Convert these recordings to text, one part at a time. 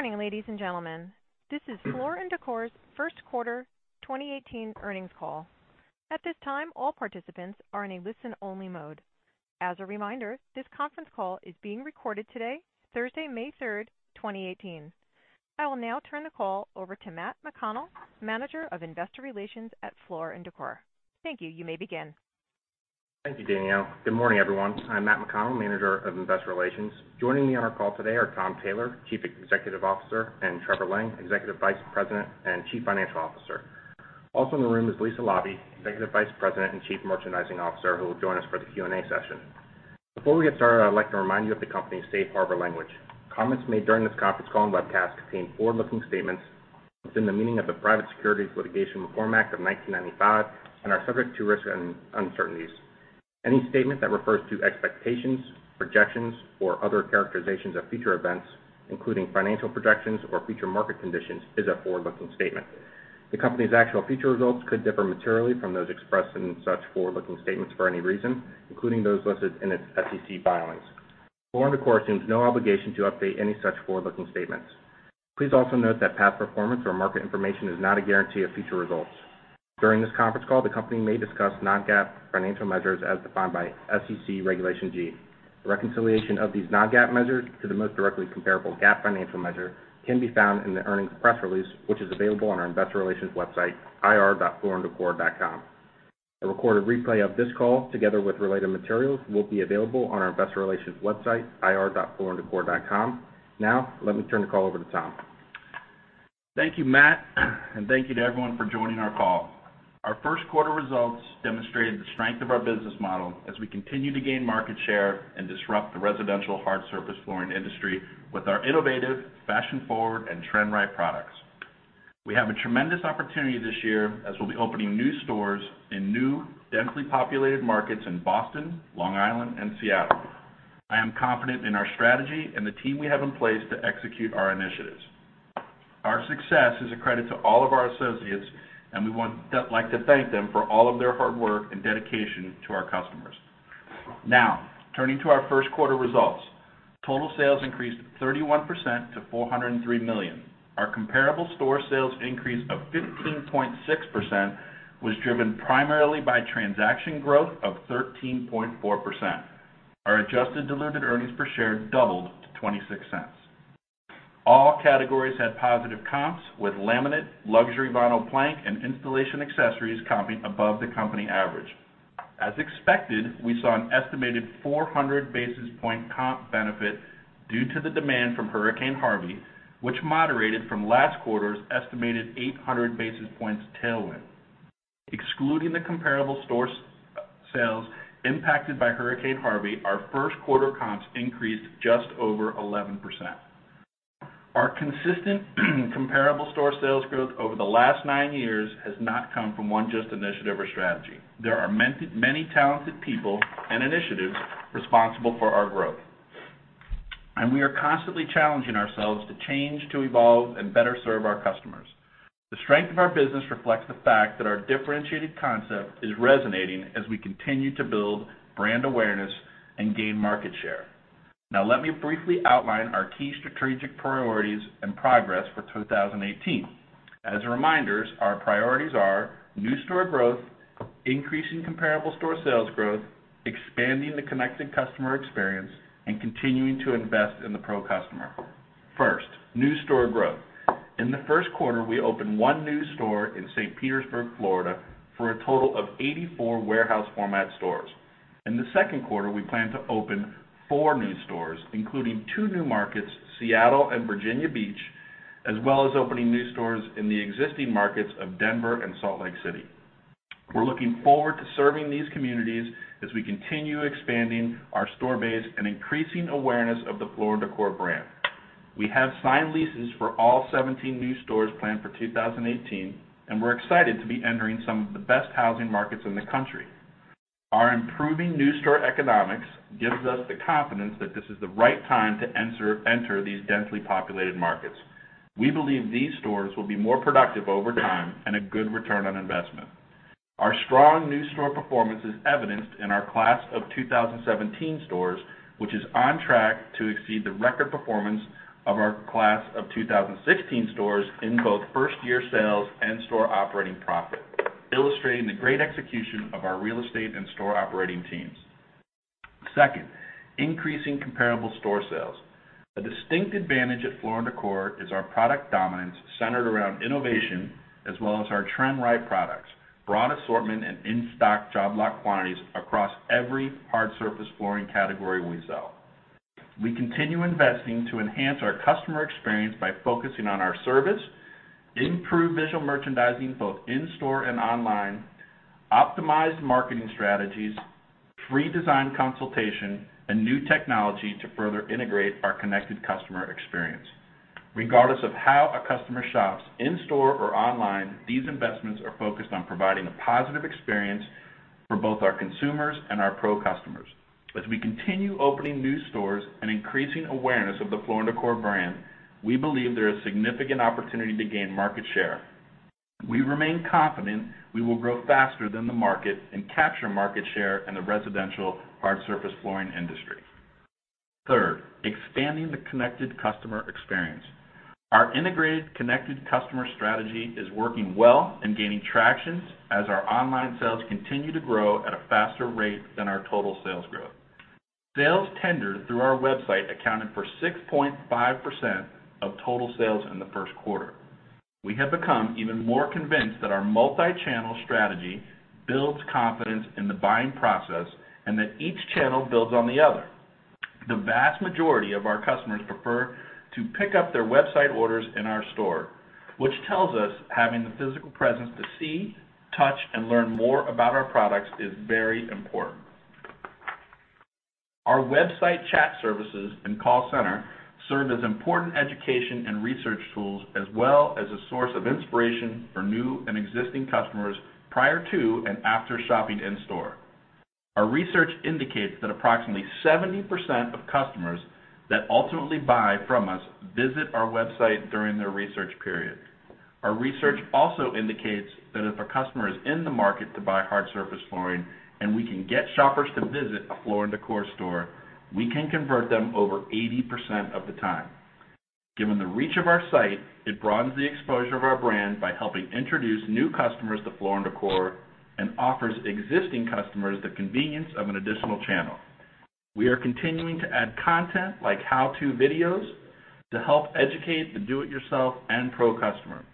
Good morning, ladies and gentlemen. This is Floor & Decor's first quarter 2018 earnings call. At this time, all participants are in a listen-only mode. As a reminder, this conference call is being recorded today, Thursday, May 3rd, 2018. I will now turn the call over to Matt McConnell, Manager of Investor Relations at Floor & Decor. Thank you. You may begin. Thank you, Danielle. Good morning, everyone. I'm Matt McConnell, Manager of Investor Relations. Joining me on our call today are Tom Taylor, Chief Executive Officer, and Trevor Lang, Executive Vice President and Chief Financial Officer. Also in the room is Lisa Laube, Executive Vice President and Chief Merchandising Officer, who will join us for the Q&A session. Before we get started, I'd like to remind you of the company's safe harbor language. Comments made during this conference call and webcast contain forward-looking statements within the meaning of the Private Securities Litigation Reform Act of 1995 and are subject to risks and uncertainties. Any statement that refers to expectations, projections, or other characterizations of future events, including financial projections or future market conditions, is a forward-looking statement. The company's actual future results could differ materially from those expressed in such forward-looking statements for any reason, including those listed in its SEC filings. Floor & Decor assumes no obligation to update any such forward-looking statements. Please also note that past performance or market information is not a guarantee of future results. During this conference call, the company may discuss non-GAAP financial measures as defined by SEC Regulation G. Reconciliation of these non-GAAP measures to the most directly comparable GAAP financial measure can be found in the earnings press release, which is available on our investor relations website, ir.flooranddecor.com. A recorded replay of this call, together with related materials, will be available on our investor relations website, ir.flooranddecor.com. Let me turn the call over to Tom. Thank you, Matt, and thank you to everyone for joining our call. Our first quarter results demonstrated the strength of our business model as we continue to gain market share and disrupt the residential hard surface flooring industry with our innovative, fashion-forward, and trend-right products. We have a tremendous opportunity this year as we'll be opening new stores in new densely populated markets in Boston, Long Island, and Seattle. I am confident in our strategy and the team we have in place to execute our initiatives. Our success is a credit to all of our associates, and we like to thank them for all of their hard work and dedication to our customers. Turning to our first quarter results. Total sales increased 31% to $403 million. Our comparable store sales increase of 15.6% was driven primarily by transaction growth of 13.4%. Our adjusted diluted earnings per share doubled to $0.26. All categories had positive comps with laminate, luxury vinyl plank, and installation accessories comping above the company average. As expected, we saw an estimated 400 basis point comp benefit due to the demand from Hurricane Harvey, which moderated from last quarter's estimated 800 basis points tailwind. Excluding the comparable store sales impacted by Hurricane Harvey, our first quarter comps increased just over 11%. Our consistent comparable store sales growth over the last nine years has not come from one just initiative or strategy. There are many talented people and initiatives responsible for our growth, and we are constantly challenging ourselves to change, to evolve, and better serve our customers. The strength of our business reflects the fact that our differentiated concept is resonating as we continue to build brand awareness and gain market share. Let me briefly outline our key strategic priorities and progress for 2018. As a reminder, our priorities are new store growth, increasing comparable store sales growth, expanding the connected customer experience, and continuing to invest in the pro customer. First, new store growth. In the first quarter, we opened one new store in St. Petersburg, Florida, for a total of 84 warehouse format stores. In the second quarter, we plan to open four new stores, including two new markets, Seattle and Virginia Beach, as well as opening new stores in the existing markets of Denver and Salt Lake City. We're looking forward to serving these communities as we continue expanding our store base and increasing awareness of the Floor & Decor brand. We have signed leases for all 17 new stores planned for 2018, and we're excited to be entering some of the best housing markets in the country. Our improving new store economics gives us the confidence that this is the right time to enter these densely populated markets. We believe these stores will be more productive over time and a good return on investment. Our strong new store performance is evidenced in our class of 2017 stores, which is on track to exceed the record performance of our class of 2016 stores in both first-year sales and store operating profit, illustrating the great execution of our real estate and store operating teams. Second, increasing comparable store sales. A distinct advantage at Floor & Decor is our product dominance centered around innovation as well as our trend-right products, broad assortment, and in-stock job lot quantities across every hard surface flooring category we sell. We continue investing to enhance our customer experience by focusing on our service, improve visual merchandising, both in-store and online, optimize marketing strategies, free design consultation, and new technology to further integrate our connected customer experience. Regardless of how a customer shops in-store or online, these investments are focused on providing a positive experience for both our consumers and our pro customers. As we continue opening new stores and increasing awareness of the Floor & Decor brand, we believe there is significant opportunity to gain market share. We remain confident we will grow faster than the market and capture market share in the residential hard surface flooring industry. Third, expanding the connected customer experience. Our integrated connected customer strategy is working well and gaining traction as our online sales continue to grow at a faster rate than our total sales growth. Sales tendered through our website accounted for 6.5% of total sales in the first quarter. We have become even more convinced that our multi-channel strategy builds confidence in the buying process, that each channel builds on the other. The vast majority of our customers prefer to pick up their website orders in our store, which tells us having the physical presence to see, touch, and learn more about our products is very important. Our website chat services and call center serve as important education and research tools as well as a source of inspiration for new and existing customers, prior to and after shopping in store. Our research indicates that approximately 70% of customers that ultimately buy from us visit our website during their research period. Our research also indicates that if a customer is in the market to buy hard surface flooring, we can get shoppers to visit a Floor & Decor store, we can convert them over 80% of the time. Given the reach of our site, it broadens the exposure of our brand by helping introduce new customers to Floor & Decor and offers existing customers the convenience of an additional channel. We are continuing to add content like how-to videos to help educate the do-it-yourself and pro customer.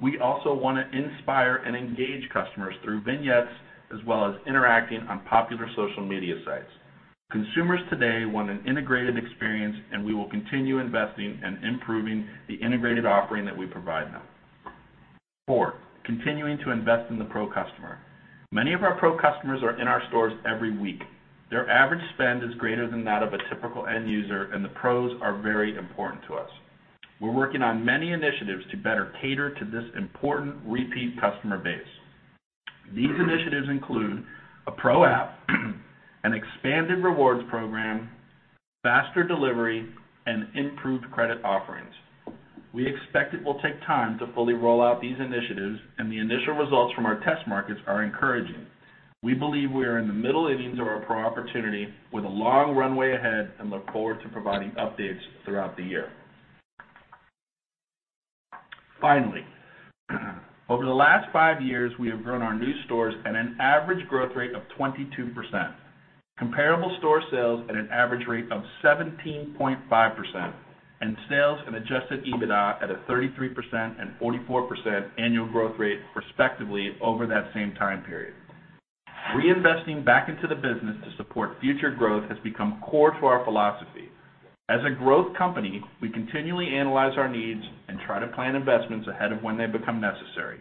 We also want to inspire and engage customers through vignettes, as well as interacting on popular social media sites. Consumers today want an integrated experience, we will continue investing and improving the integrated offering that we provide them. Fourth, continuing to invest in the pro customer. Many of our pro customers are in our stores every week. Their average spend is greater than that of a typical end user, the pros are very important to us. We're working on many initiatives to better cater to this important repeat customer base. These initiatives include a pro app, an expanded rewards program, faster delivery, and improved credit offerings. We expect it will take time to fully roll out these initiatives, the initial results from our test markets are encouraging. We believe we are in the middle innings of our pro opportunity with a long runway ahead and look forward to providing updates throughout the year. Finally, over the last five years, we have grown our new stores at an average growth rate of 22%, comparable store sales at an average rate of 17.5%, and sales and adjusted EBITDA at a 33% and 44% annual growth rate, respectively, over that same time period. Reinvesting back into the business to support future growth has become core to our philosophy. As a growth company, we continually analyze our needs and try to plan investments ahead of when they become necessary.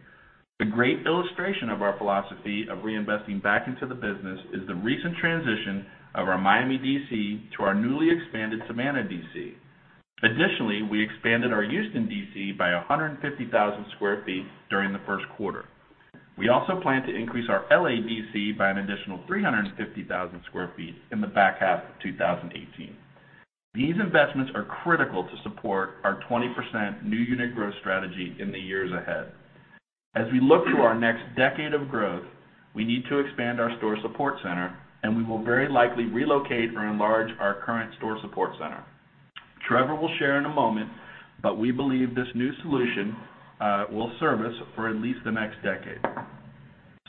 A great illustration of our philosophy of reinvesting back into the business is the recent transition of our Miami DC to our newly expanded Savannah DC. Additionally, we expanded our Houston DC by 150,000 square feet during the first quarter. We also plan to increase our L.A. DC by an additional 350,000 square feet in the back half of 2018. These investments are critical to support our 20% new unit growth strategy in the years ahead. As we look to our next decade of growth, we need to expand our store support center, we will very likely relocate or enlarge our current store support center. Trevor will share in a moment, but we believe this new solution will serve us for at least the next decade.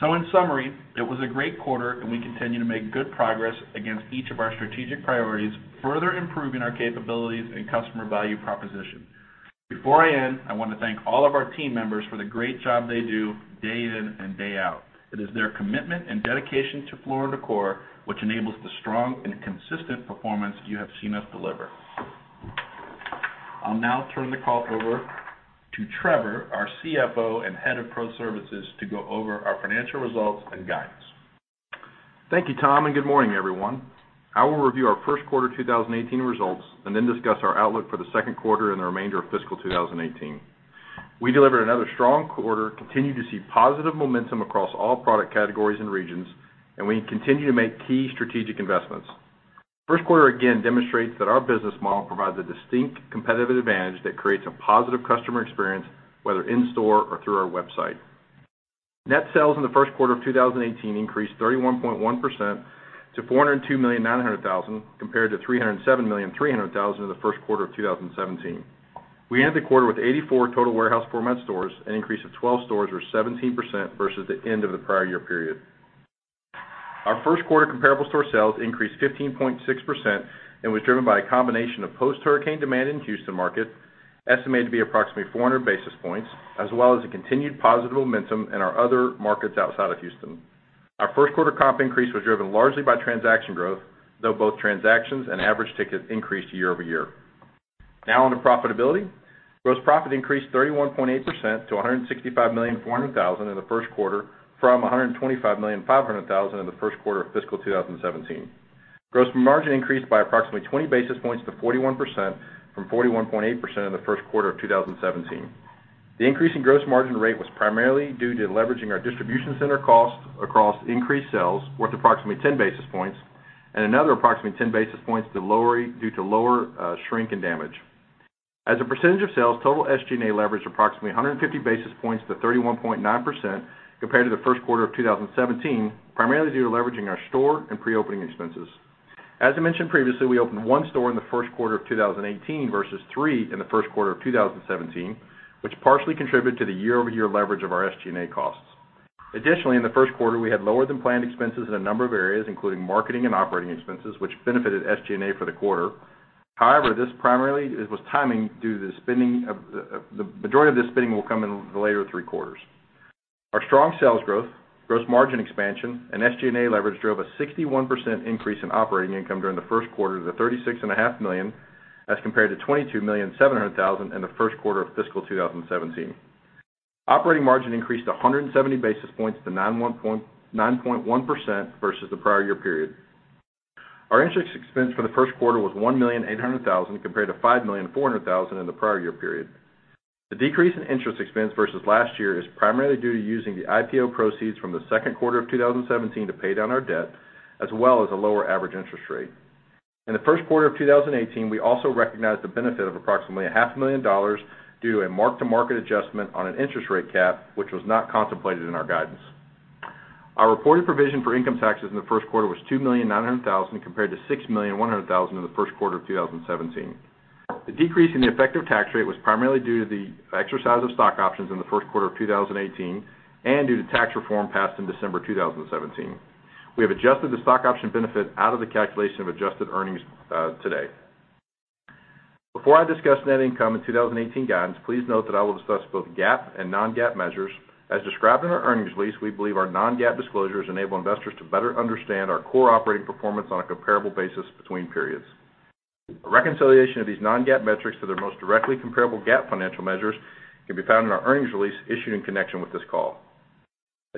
In summary, it was a great quarter, and we continue to make good progress against each of our strategic priorities, further improving our capabilities and customer value proposition. Before I end, I want to thank all of our team members for the great job they do day in and day out. It is their commitment and dedication to Floor & Decor which enables the strong and consistent performance you have seen us deliver. I'll now turn the call over to Trevor, our CFO and Head of Pro Services, to go over our financial results and guidance. Thank you, Tom, and good morning, everyone. I will review our first quarter 2018 results and then discuss our outlook for the second quarter and the remainder of fiscal 2018. We delivered another strong quarter, continue to see positive momentum across all product categories and regions, and we continue to make key strategic investments. First quarter again demonstrates that our business model provides a distinct competitive advantage that creates a positive customer experience, whether in-store or through our website. Net sales in the first quarter of 2018 increased 31.1% to $402,900,000, compared to $307,300,000 in the first quarter of 2017. We ended the quarter with 84 total warehouse format stores, an increase of 12 stores or 17% versus the end of the prior year period. Our first quarter comparable store sales increased 15.6% and was driven by a combination of post-hurricane demand in Houston market, estimated to be approximately 400 basis points, as well as the continued positive momentum in our other markets outside of Houston. Our first quarter comp increase was driven largely by transaction growth, though both transactions and average ticket increased year-over-year. Now on to profitability. Gross profit increased 31.8% to $165,400,000 in the first quarter from $125,500,000 in the first quarter of fiscal 2017. Gross margin increased by approximately 20 basis points to 41%, from 41.8% in the first quarter of 2017. The increase in gross margin rate was primarily due to leveraging our distribution center costs across increased sales worth approximately 10 basis points. Another approximately 10 basis points due to lower shrink and damage. As a percentage of sales, total SG&A leverage approximately 150 basis points to 31.9% compared to the first quarter of 2017, primarily due to leveraging our store and pre-opening expenses. As I mentioned previously, we opened one store in the first quarter of 2018 versus three in the first quarter of 2017, which partially contributed to the year-over-year leverage of our SG&A costs. Additionally, in the first quarter, we had lower than planned expenses in a number of areas, including marketing and operating expenses, which benefited SG&A for the quarter. However, this primarily was timing due to the spending. The majority of this spending will come in the later three quarters. Our strong sales growth, gross margin expansion, and SG&A leverage drove a 61% increase in operating income during the first quarter to $36.5 million, as compared to $22,700,000 in the first quarter of fiscal 2017. Operating margin increased 170 basis points to 9.1% versus the prior year period. Our interest expense for the first quarter was $1,800,000 compared to $5,400,000 in the prior year period. The decrease in interest expense versus last year is primarily due to using the IPO proceeds from the second quarter of 2017 to pay down our debt, as well as a lower average interest rate. In the first quarter of 2018, we also recognized the benefit of approximately a half a million dollars due to a mark-to-market adjustment on an interest rate cap, which was not contemplated in our guidance. Our reported provision for income taxes in the first quarter was $2,900,000 compared to $6,100,000 in the first quarter of 2017. The decrease in the effective tax rate was primarily due to the exercise of stock options in the first quarter of 2018 and due to tax reform passed in December 2017. We have adjusted the stock option benefit out of the calculation of adjusted earnings today. Before I discuss net income and 2018 guidance, please note that I will discuss both GAAP and non-GAAP measures. As described in our earnings release, we believe our non-GAAP disclosures enable investors to better understand our core operating performance on a comparable basis between periods. A reconciliation of these non-GAAP metrics to their most directly comparable GAAP financial measures can be found in our earnings release issued in connection with this call.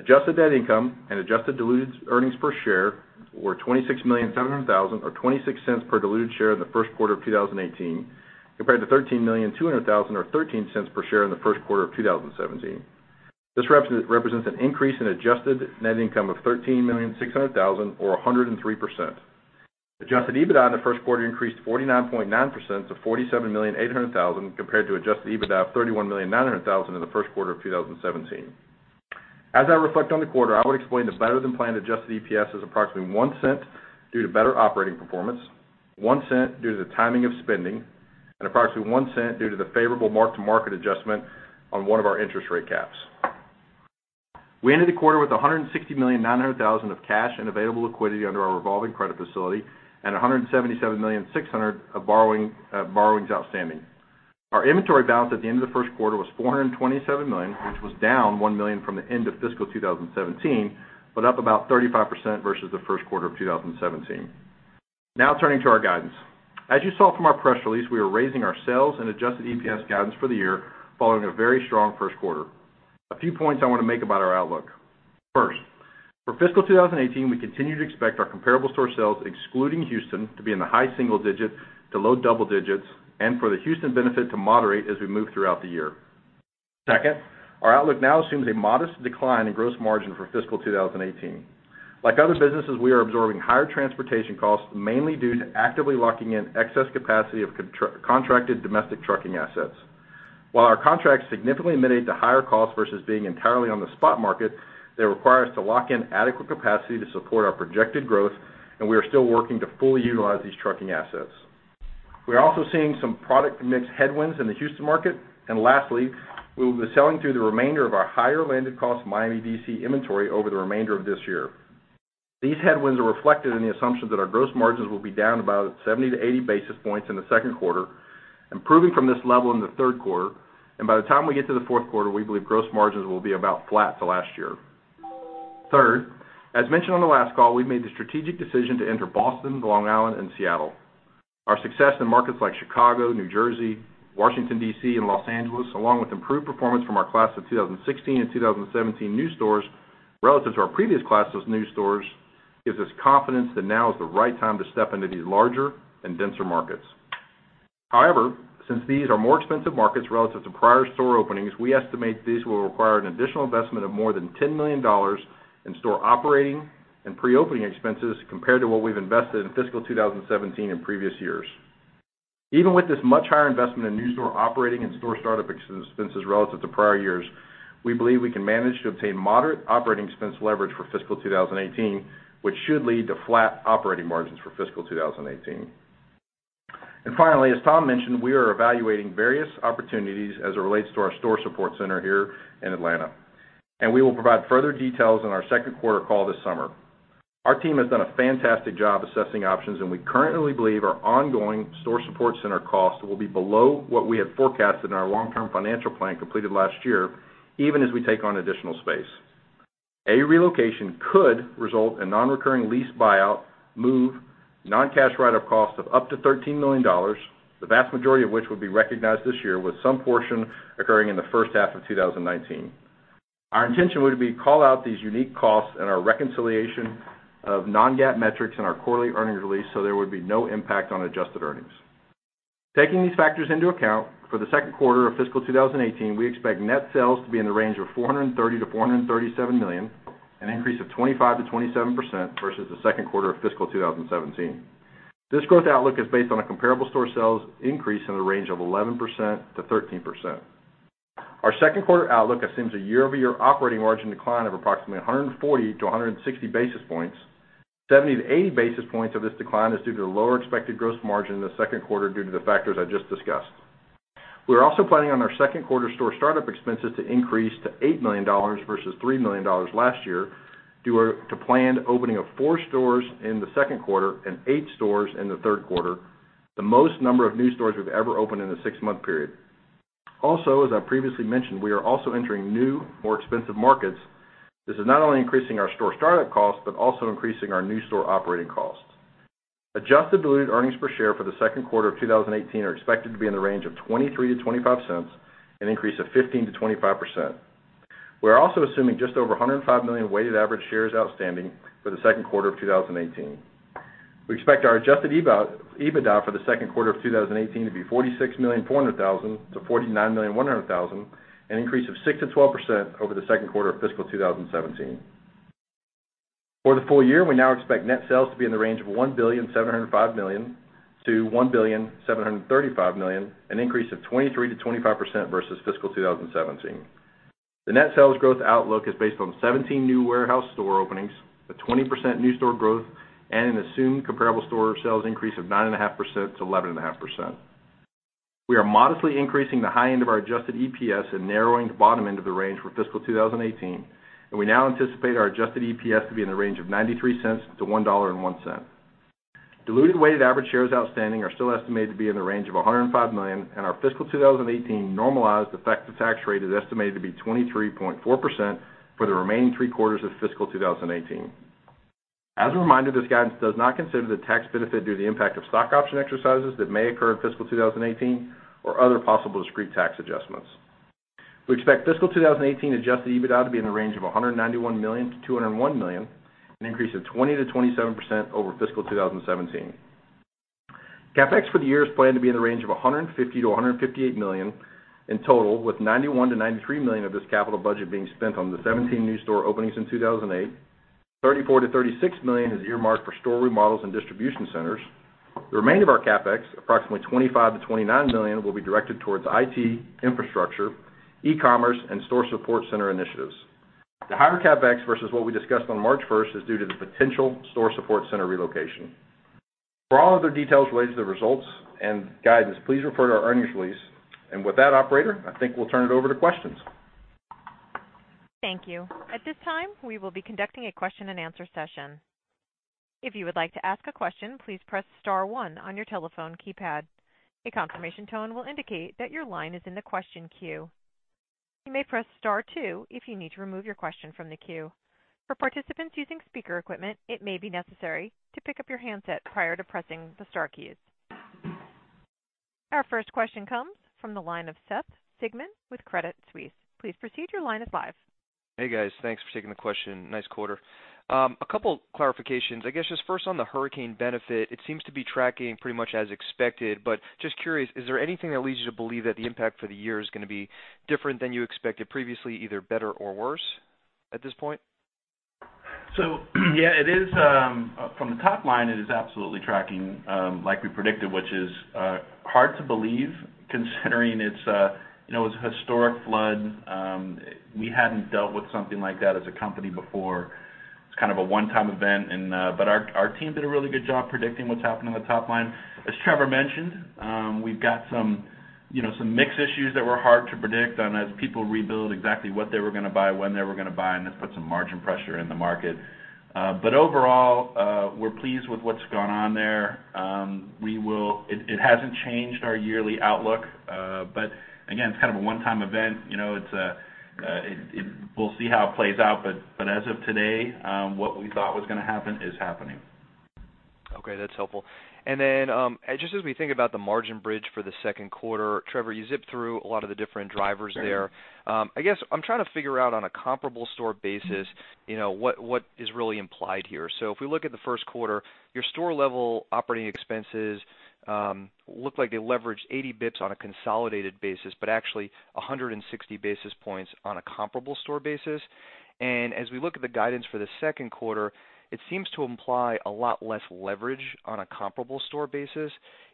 Adjusted net income and adjusted diluted earnings per share were $26,700,000 or $0.26 per diluted share in the first quarter of 2018, compared to $13,200,000 or $0.13 per share in the first quarter of 2017. This represents an increase in adjusted net income of $13,600,000 or 103%. Adjusted EBITDA in the first quarter increased 49.9% to $47,800,000 compared to adjusted EBITDA of $31,900,000 in the first quarter of 2017. As I reflect on the quarter, I would explain the better-than-planned adjusted EPS as approximately $0.01 due to better operating performance, $0.01 due to the timing of spending, and approximately $0.01 due to the favorable mark-to-market adjustment on one of our interest rate caps. We ended the quarter with $160,900,000 of cash and available liquidity under our revolving credit facility and $177,600,000 of borrowings outstanding. Our inventory balance at the end of the first quarter was $427 million, which was down $1 million from the end of fiscal 2017, but up about 35% versus the first quarter of 2017. Now turning to our guidance. As you saw from our press release, we are raising our sales and adjusted EPS guidance for the year following a very strong first quarter. A few points I want to make about our outlook. First, for fiscal 2018, we continue to expect our comparable store sales, excluding Houston, to be in the high single digits to low double digits, and for the Houston benefit to moderate as we move throughout the year. Second, our outlook now assumes a modest decline in gross margin for fiscal 2018. Like other businesses, we are absorbing higher transportation costs, mainly due to actively locking in excess capacity of contracted domestic trucking assets. While our contracts significantly mitigate the higher cost versus being entirely on the spot market, they require us to lock in adequate capacity to support our projected growth, and we are still working to fully utilize these trucking assets. We are also seeing some product mix headwinds in the Houston market, and lastly, we will be selling through the remainder of our higher landed cost Miami DC inventory over the remainder of this year. These headwinds are reflected in the assumption that our gross margins will be down about 70-80 basis points in the second quarter, improving from this level in the third quarter, and by the time we get to the fourth quarter, we believe gross margins will be about flat to last year. Third, as mentioned on the last call, we've made the strategic decision to enter Boston, Long Island, and Seattle. Our success in markets like Chicago, New Jersey, Washington D.C., and Los Angeles, along with improved performance from our class of 2016 and 2017 new stores relative to our previous classes of new stores, gives us confidence that now is the right time to step into these larger and denser markets. However, since these are more expensive markets relative to prior store openings, we estimate these will require an additional investment of more than $10 million in store operating and pre-opening expenses compared to what we've invested in fiscal 2017 and previous years. Even with this much higher investment in new store operating and store startup expenses relative to prior years, we believe we can manage to obtain moderate operating expense leverage for fiscal 2018, which should lead to flat operating margins for fiscal 2018. Finally, as Tom mentioned, we are evaluating various opportunities as it relates to our store support center here in Atlanta, and we will provide further details on our second quarter call this summer. Our team has done a fantastic job assessing options, and we currently believe our ongoing store support center cost will be below what we had forecasted in our long-term financial plan completed last year, even as we take on additional space. A relocation could result in non-recurring lease buyout, move, non-cash write-up costs of up to $13 million, the vast majority of which would be recognized this year, with some portion occurring in the first half of 2019. Our intention would be to call out these unique costs in our reconciliation of non-GAAP metrics in our quarterly earnings release so there would be no impact on adjusted earnings. Taking these factors into account, for the second quarter of fiscal 2018, we expect net sales to be in the range of $430 million-$437 million, an increase of 25%-27% versus the second quarter of fiscal 2017. This growth outlook is based on a comparable store sales increase in the range of 11%-13%. Our second quarter outlook assumes a year-over-year operating margin decline of approximately 140-160 basis points. 70-80 basis points of this decline is due to the lower expected gross margin in the second quarter due to the factors I just discussed. We're also planning on our second quarter store startup expenses to increase to $8 million versus $3 million last year, due to planned opening of four stores in the second quarter and eight stores in the third quarter, the most number of new stores we've ever opened in a six-month period. Also, as I previously mentioned, we are also entering new, more expensive markets. This is not only increasing our store startup costs, but also increasing our new store operating costs. Adjusted diluted earnings per share for the second quarter of 2018 are expected to be in the range of $0.23 to $0.25, an increase of 15%-25%. We're also assuming just over 105 million weighted average shares outstanding for the second quarter of 2018. We expect our adjusted EBITDA for the second quarter of 2018 to be $46.4 million to $49.1 million, an increase of 6%-12% over the second quarter of fiscal 2017. For the full year, we now expect net sales to be in the range of $1.705 billion to $1.735 billion, an increase of 23%-25% versus fiscal 2017. The net sales growth outlook is based on 17 new warehouse store openings, a 20% new store growth, and an assumed comparable store sales increase of 9.5%-11.5%. We are modestly increasing the high end of our adjusted EPS and narrowing the bottom end of the range for fiscal 2018. We now anticipate our adjusted EPS to be in the range of $0.93 to $1.01. Diluted weighted average shares outstanding are still estimated to be in the range of 105 million. Our fiscal 2018 normalized effective tax rate is estimated to be 23.4% for the remaining three quarters of fiscal 2018. As a reminder, this guidance does not consider the tax benefit due to the impact of stock option exercises that may occur in fiscal 2018, or other possible discrete tax adjustments. We expect fiscal 2018 adjusted EBITDA to be in the range of $191 million to $201 million, an increase of 20%-27% over fiscal 2017. CapEx for the year is planned to be in the range of $150 million to $158 million in total, with $91 million to $93 million of this capital budget being spent on the 17 new store openings in 2018. $34 million to $36 million is earmarked for store remodels and distribution centers. The remainder of our CapEx, approximately $25 million to $29 million, will be directed towards IT, infrastructure, e-commerce, and store support center initiatives. The higher CapEx versus what we discussed on March 1st is due to the potential store support center relocation. For all other details related to the results and guidance, please refer to our earnings release. With that, operator, I think we'll turn it over to questions. Thank you. At this time, we will be conducting a question and answer session. If you would like to ask a question, please press star 1 on your telephone keypad. A confirmation tone will indicate that your line is in the question queue. You may press star 2 if you need to remove your question from the queue. For participants using speaker equipment, it may be necessary to pick up your handset prior to pressing the star keys. Our first question comes from the line of Seth Sigman with Credit Suisse. Please proceed, your line is live. Hey, guys. Thanks for taking the question. Nice quarter. A couple clarifications. I guess just first on the hurricane benefit, it seems to be tracking pretty much as expected, but just curious, is there anything that leads you to believe that the impact for the year is going to be different than you expected previously, either better or worse at this point? Yeah, from the top line, it is absolutely tracking like we predicted, which is hard to believe considering it was a historic flood. We hadn't dealt with something like that as a company before. It's kind of a one-time event, our team did a really good job predicting what's happening on the top line. As Trevor mentioned, we've got some mix issues that were hard to predict on as people rebuild exactly what they were going to buy, when they were going to buy, and this put some margin pressure in the market. Overall, we're pleased with what's gone on there. It hasn't changed our yearly outlook. Again, it's kind of a one-time event. We'll see how it plays out, but as of today, what we thought was going to happen is happening. Okay, that's helpful. Then, just as we think about the margin bridge for the second quarter, Trevor, you zipped through a lot of the different drivers there. I guess I'm trying to figure out on a comparable store basis, what is really implied here. If we look at the first quarter, your store level operating expenses look like they leveraged 80 basis points on a consolidated basis, but actually 160 basis points on a comparable store basis. As we look at the guidance for the second quarter, it seems to imply a lot less leverage on a comparable store basis.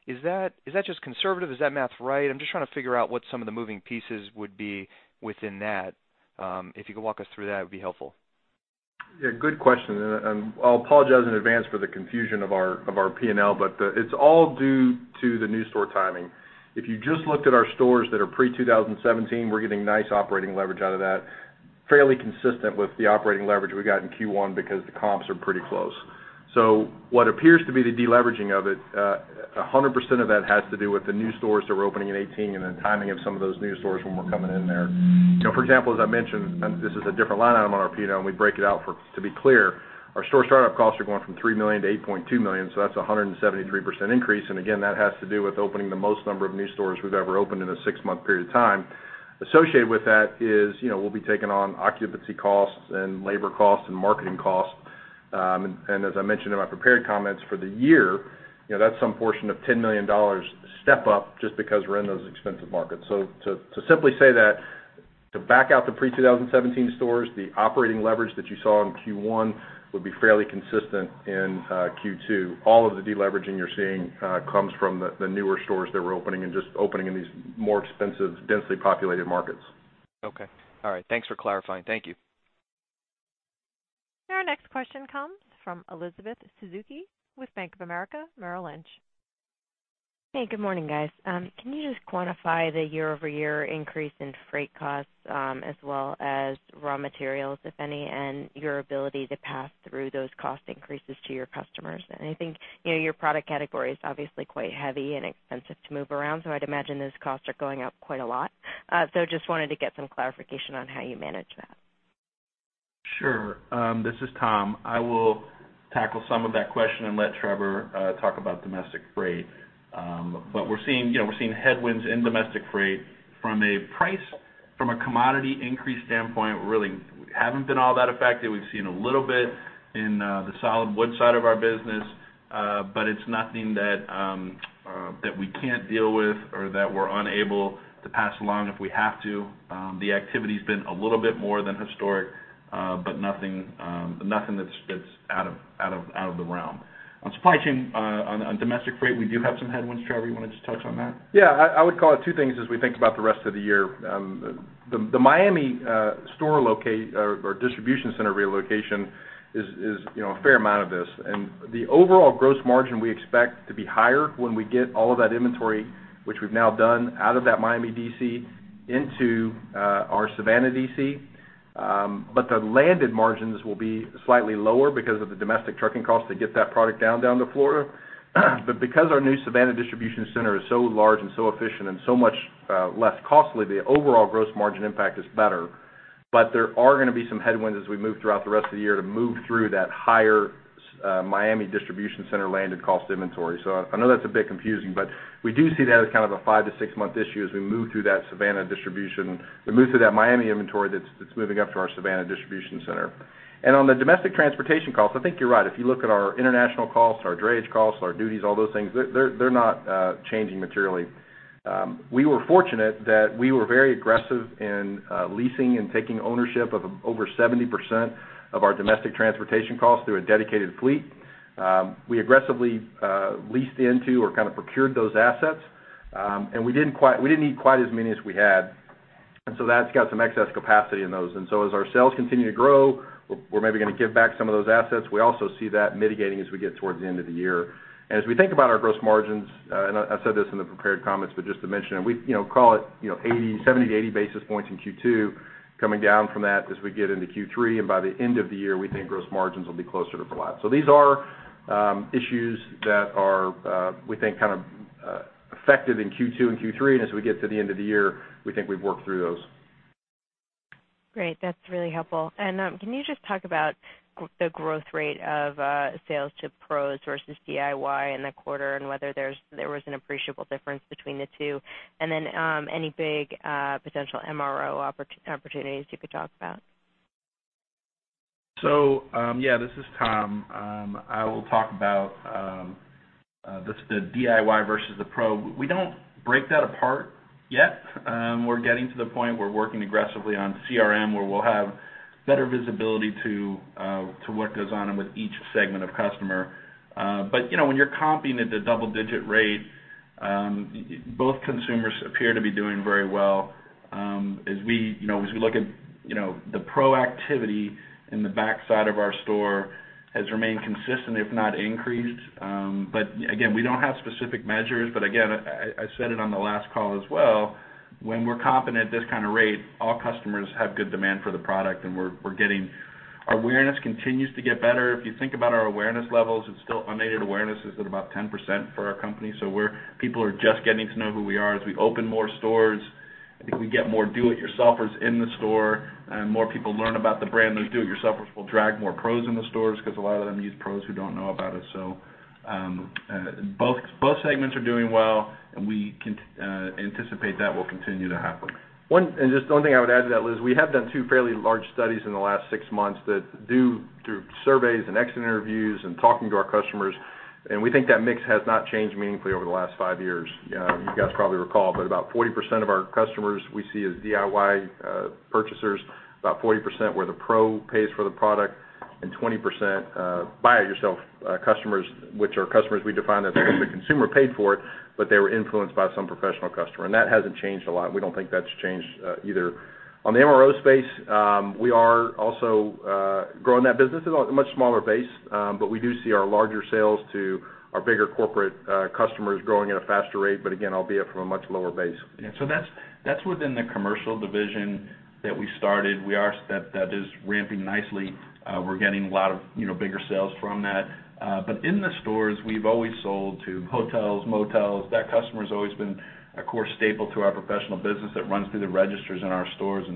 Is that just conservative? Is that math right? I'm just trying to figure out what some of the moving pieces would be within that. If you could walk us through that, it would be helpful. Yeah, good question. I'll apologize in advance for the confusion of our P&L, it's all due to the new store timing. If you just looked at our stores that are pre-2017, we're getting nice operating leverage out of that, fairly consistent with the operating leverage we got in Q1 because the comps are pretty close. What appears to be the deleveraging of it, 100% of that has to do with the new stores that we're opening in 2018 and the timing of some of those new stores when we're coming in there. For example, as I mentioned, this is a different line item on our P&L, we break it out to be clear, our store startup costs are going from $3 million to $8.2 million, that's 173% increase, again, that has to do with opening the most number of new stores we've ever opened in a six-month period of time. Associated with that is, we'll be taking on occupancy costs and labor costs and marketing costs. As I mentioned in my prepared comments for the year, that's some portion of $10 million step up just because we're in those expensive markets. To simply say that, to back out the pre-2017 stores, the operating leverage that you saw in Q1 would be fairly consistent in Q2. All of the de-leveraging you're seeing comes from the newer stores that we're opening and just opening in these more expensive, densely populated markets. Okay. All right. Thanks for clarifying. Thank you. Our next question comes from Elizabeth Suzuki with Bank of America Merrill Lynch. Hey, good morning, guys. Can you just quantify the year-over-year increase in freight costs as well as raw materials, if any, and your ability to pass through those cost increases to your customers? I think your product category is obviously quite heavy and expensive to move around, I'd imagine those costs are going up quite a lot. Just wanted to get some clarification on how you manage that. Sure. This is Tom. I will tackle some of that question and let Trevor talk about domestic freight. We're seeing headwinds in domestic freight from a price, from a commodity increase standpoint, really haven't been all that affected. We've seen a little bit in the solid wood side of our business, it's nothing that we can't deal with or that we're unable to pass along if we have to. The activity's been a little bit more than historic, nothing that's out of the realm. On supply chain, on domestic freight, we do have some headwinds. Trevor, you want to just touch on that? Yeah. I would call it two things as we think about the rest of the year. The Miami distribution center relocation is a fair amount of this. The overall gross margin we expect to be higher when we get all of that inventory, which we've now done, out of that Miami DC into our Savannah DC. The landed margins will be slightly lower because of the domestic trucking costs to get that product down to Florida. Because our new Savannah distribution center is so large and so efficient and so much less costly, the overall gross margin impact is better. There are going to be some headwinds as we move throughout the rest of the year to move through that higher Miami distribution center landed cost inventory. I know that's a bit confusing, but we do see that as kind of a 5- to 6-month issue as we move through that Miami inventory that's moving up to our Savannah distribution center. On the domestic transportation costs, I think you're right. If you look at our international costs, our drayage costs, our duties, all those things, they're not changing materially. We were fortunate that we were very aggressive in leasing and taking ownership of over 70% of our domestic transportation costs through a dedicated fleet. We aggressively leased into or kind of procured those assets. We didn't need quite as many as we had, that's got some excess capacity in those. As our sales continue to grow, we're maybe going to give back some of those assets. We also see that mitigating as we get towards the end of the year. As we think about our gross margins, and I said this in the prepared comments, but just to mention it, we call it 70-80 basis points in Q2, coming down from that as we get into Q3, and by the end of the year, we think gross margins will be closer to flat. These are issues that are, we think, kind of effective in Q2 and Q3, and as we get to the end of the year, we think we've worked through those. Great. That's really helpful. Can you just talk about the growth rate of sales to pros versus DIY in the quarter and whether there was an appreciable difference between the two? Any big potential MRO opportunities you could talk about? Yeah, this is Tom. I will talk about the DIY versus the pro. We don't break that apart yet. We're getting to the point. We're working aggressively on CRM, where we'll have better visibility to what goes on and with each segment of customer. When you're comping at the double-digit rate, both consumers appear to be doing very well. As we look at the pro activity in the backside of our store has remained consistent, if not increased. Again, we don't have specific measures. Again, I said it on the last call as well, when we're comping at this kind of rate, all customers have good demand for the product, and our awareness continues to get better. If you think about our awareness levels, unaid awareness is at about 10% for our company. People are just getting to know who we are. As we open more stores, I think we get more do-it-yourselfers in the store and more people learn about the brand. Those do-it-yourselfers will drag more pros in the stores because a lot of them use pros who don't know about us. Both segments are doing well, and we anticipate that will continue to happen. Just one thing I would add to that, Liz, we have done two fairly large studies in the last six months through surveys and exit interviews and talking to our customers, and we think that mix has not changed meaningfully over the last five years. You guys probably recall, but about 40% of our customers we see as DIY purchasers, about 40% where the pro pays for the product and 20% buy-it-yourself customers, which are customers we define that the consumer paid for it, but they were influenced by some professional customer, and that hasn't changed a lot. We don't think that's changed either. On the MRO space, we are also growing that business. It's a much smaller base, but we do see our larger sales to our bigger corporate customers growing at a faster rate, but again, albeit from a much lower base. That's within the commercial division that we started. That is ramping nicely. We're getting a lot of bigger sales from that. In the stores, we've always sold to hotels, motels. That customer's always been a core staple to our professional business that runs through the registers in our stores.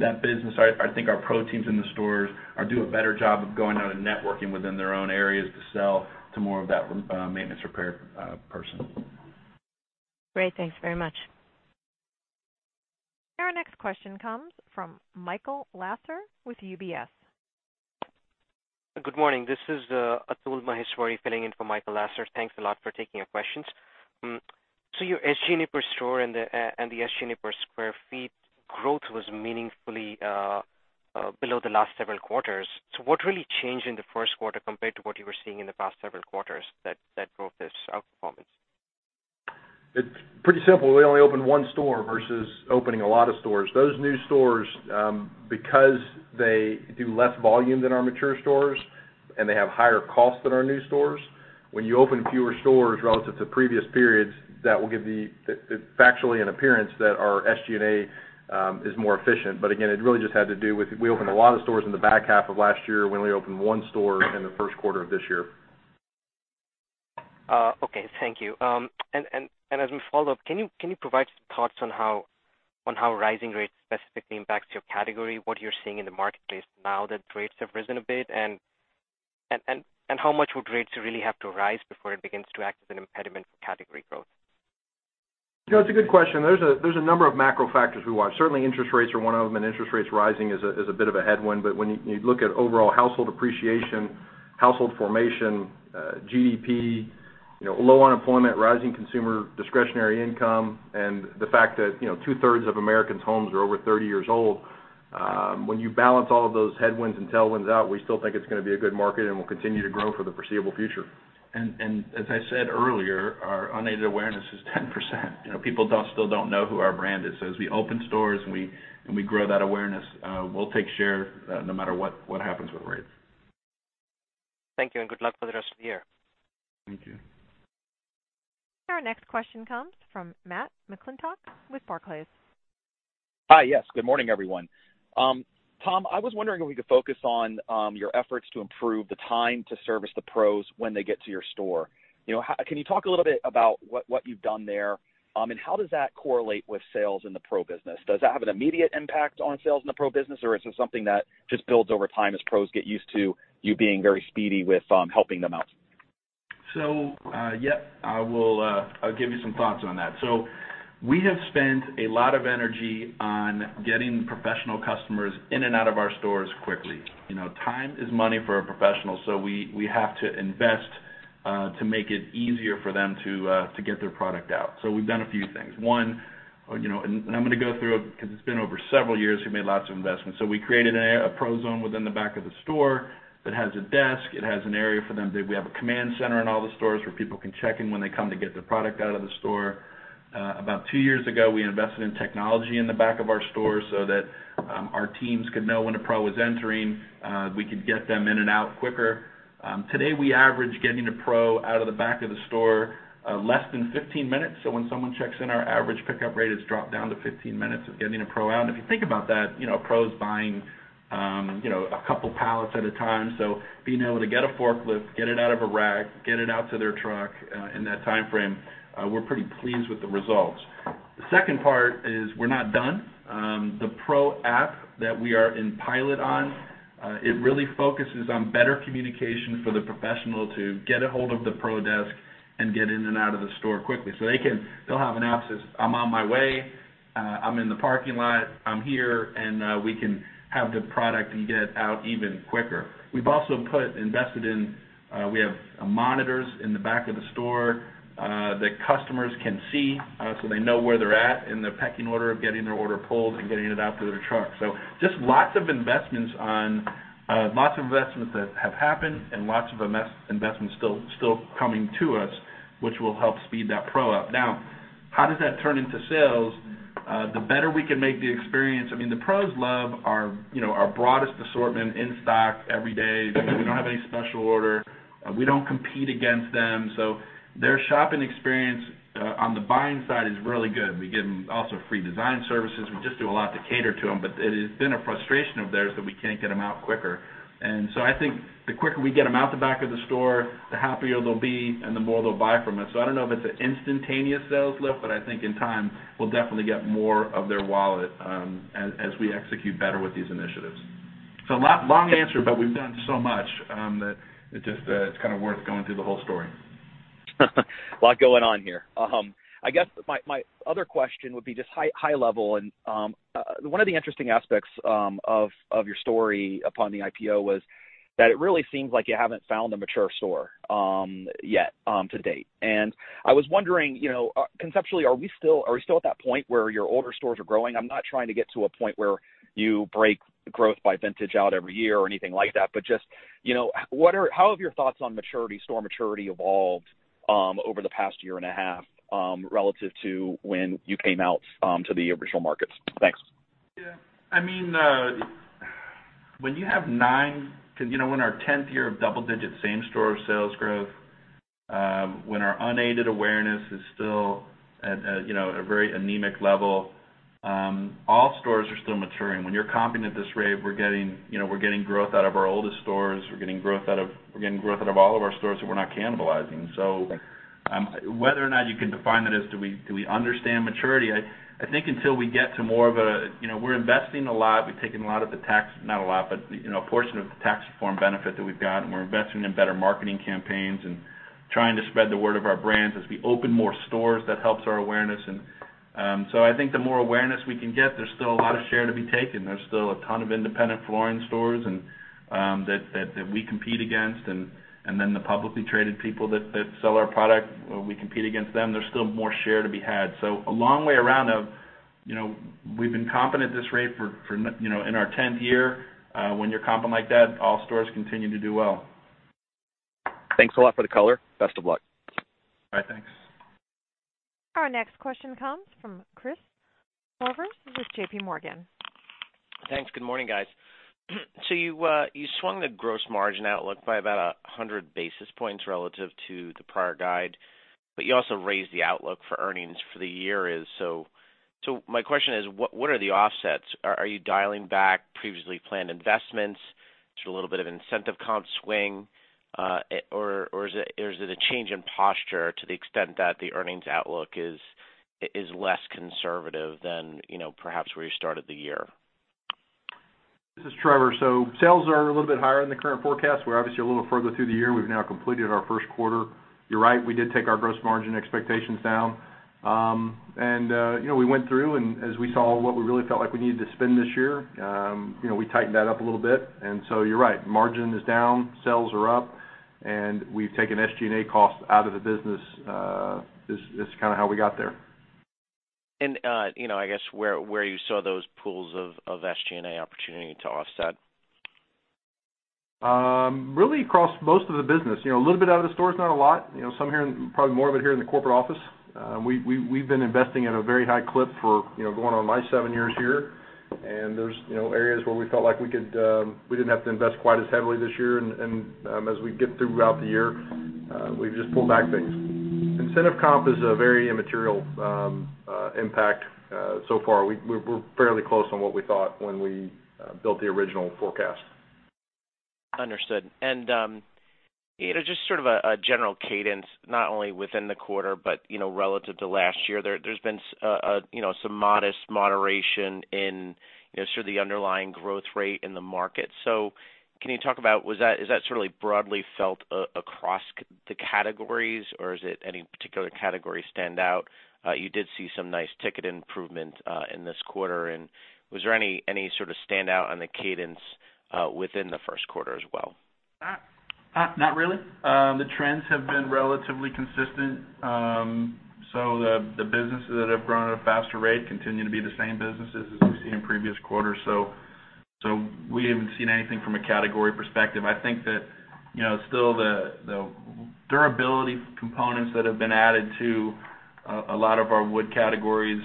That business, I think our pro teams in the stores do a better job of going out and networking within their own areas to sell to more of that maintenance repair person. Great. Thanks very much. Next question comes from Michael Lasser with UBS. Good morning. This is Atul Maheshwari filling in for Michael Lasser. Thanks a lot for taking our questions. Your SG&A per store and the SG&A per square feet growth was meaningfully below the last several quarters. What really changed in the first quarter compared to what you were seeing in the past several quarters that drove this outperformance? It's pretty simple. We only opened one store versus opening a lot of stores. Those new stores, because they do less volume than our mature stores and they have higher costs than our new stores, when you open fewer stores relative to previous periods, that will give factually an appearance that our SG&A is more efficient. Again, it really just had to do with, we opened a lot of stores in the back half of last year, we only opened one store in the first quarter of this year. Okay. Thank you. As we follow up, can you provide some thoughts on how rising rates specifically impacts your category, what you're seeing in the marketplace now that rates have risen a bit? How much would rates really have to rise before it begins to act as an impediment for category growth? No, it's a good question. There's a number of macro factors we watch. Certainly, interest rates are one of them, and interest rates rising is a bit of a headwind. When you look at overall household appreciation, household formation, GDP, low unemployment, rising consumer discretionary income, and the fact that two-thirds of Americans' homes are over 30 years old, when you balance all of those headwinds and tailwinds out, we still think it's going to be a good market and will continue to grow for the foreseeable future. As I said earlier, our unaided awareness is 10%. People still don't know who our brand is. As we open stores and we grow that awareness, we'll take share no matter what happens with rates. Thank you, and good luck for the rest of the year. Thank you. Our next question comes from Matthew McClintock with Barclays. Hi, yes. Good morning, everyone. Tom, I was wondering if we could focus on your efforts to improve the time to service the pros when they get to your store. Can you talk a little bit about what you've done there? How does that correlate with sales in the pro business? Does that have an immediate impact on sales in the pro business, or is it something that just builds over time as pros get used to you being very speedy with helping them out? Yep. I'll give you some thoughts on that. We have spent a lot of energy on getting professional customers in and out of our stores quickly. Time is money for a professional, so we have to invest to make it easier for them to get their product out. We've done a few things. One, and I'm going to go through it because it's been over several years, we've made lots of investments. We created a pro zone within the back of the store that has a desk, it has an area for them. We have a command center in all the stores where people can check in when they come to get their product out of the store. About two years ago, we invested in technology in the back of our stores so that our teams could know when a pro was entering. We could get them in and out quicker. Today, we average getting a pro out of the back of the store less than 15 minutes. When someone checks in, our average pickup rate has dropped down to 15 minutes of getting a pro out. If you think about that, pros buying a couple pallets at a time. Being able to get a forklift, get it out of a rack, get it out to their truck in that timeframe, we're pretty pleased with the results. The second part is we're not done. The pro app that we are in pilot on, it really focuses on better communication for the professional to get ahold of the pro desk and get in and out of the store quickly. They'll have an app that says, "I'm on my way, I'm in the parking lot, I'm here," and we can have the product and get it out even quicker. We have monitors in the back of the store that customers can see, so they know where they're at in the pecking order of getting their order pulled and getting it out to their truck. Just lots of investments that have happened and lots of investments still coming to us, which will help speed that pro up. Now, how does that turn into sales? The better we can make the experience-- I mean, the pros love our broadest assortment in stock every day because we don't have any special order. We don't compete against them. Their shopping experience on the buying side is really good. We give them also free design services. We just do a lot to cater to them. It has been a frustration of theirs that we can't get them out quicker. I think the quicker we get them out the back of the store, the happier they'll be and the more they'll buy from us. I don't know if it's an instantaneous sales lift, but I think in time, we'll definitely get more of their wallet as we execute better with these initiatives. Long answer, but we've done so much that it's just worth going through the whole story. A lot going on here. I guess my other question would be just high level. One of the interesting aspects of your story upon the IPO was that it really seems like you haven't found a mature store yet to date. I was wondering, conceptually, are we still at that point where your older stores are growing? I'm not trying to get to a point where you break growth by vintage out every year or anything like that, but just how have your thoughts on maturity, store maturity evolved over the past year and a half relative to when you came out to the original markets? Thanks. Yeah. We're in our 10th year of double-digit same store sales growth, when our unaided awareness is still at a very anemic level, all stores are still maturing. When you're comping at this rate, we're getting growth out of our oldest stores. We're getting growth out of all of our stores that we're not cannibalizing. Whether or not you can define that as do we understand maturity. We're investing a lot. We've taken a lot of the tax-- Not a lot, but a portion of the tax reform benefit that we've got, and we're investing in better marketing campaigns and Trying to spread the word of our brands. As we open more stores, that helps our awareness. I think the more awareness we can get, there's still a lot of share to be taken. There's still a ton of independent flooring stores that we compete against, the publicly traded people that sell our product, we compete against them. There's still more share to be had. A long way around of, we've been comping this rate in our 10th year. When you're comping like that, all stores continue to do well. Thanks a lot for the color. Best of luck. All right. Thanks. Our next question comes from Christopher Horvers with J.P. Morgan. Thanks. Good morning, guys. You swung the gross margin outlook by about 100 basis points relative to the prior guide, but you also raised the outlook for earnings for the year. My question is, what are the offsets? Are you dialing back previously planned investments? Is there a little bit of incentive comp swing? Is it a change in posture to the extent that the earnings outlook is less conservative than perhaps where you started the year? This is Trevor. Sales are a little bit higher in the current forecast. We're obviously a little further through the year. We've now completed our first quarter. You're right, we did take our gross margin expectations down. We went through, as we saw what we really felt like we needed to spend this year, we tightened that up a little bit. You're right, margin is down, sales are up, and we've taken SG&A costs out of the business. This is kind of how we got there. I guess where you saw those pools of SG&A opportunity to offset? Really across most of the business. A little bit out of the stores, not a lot. Probably more of it here in the corporate office. We've been investing at a very high clip for going on my seven years here. There's areas where we felt like we didn't have to invest quite as heavily this year. As we get throughout the year, we've just pulled back things. Incentive comp is a very immaterial impact so far. We're fairly close on what we thought when we built the original forecast. Understood. Just sort of a general cadence, not only within the quarter but relative to last year, there's been some modest moderation in sort of the underlying growth rate in the market. Can you talk about, is that sort of broadly felt across the categories, or is it any particular category stand out? You did see some nice ticket improvement in this quarter, and was there any sort of stand out on the cadence within the first quarter as well? Not really. The trends have been relatively consistent. The businesses that have grown at a faster rate continue to be the same businesses as we've seen in previous quarters. We haven't seen anything from a category perspective. I think that still the durability components that have been added to a lot of our wood categories,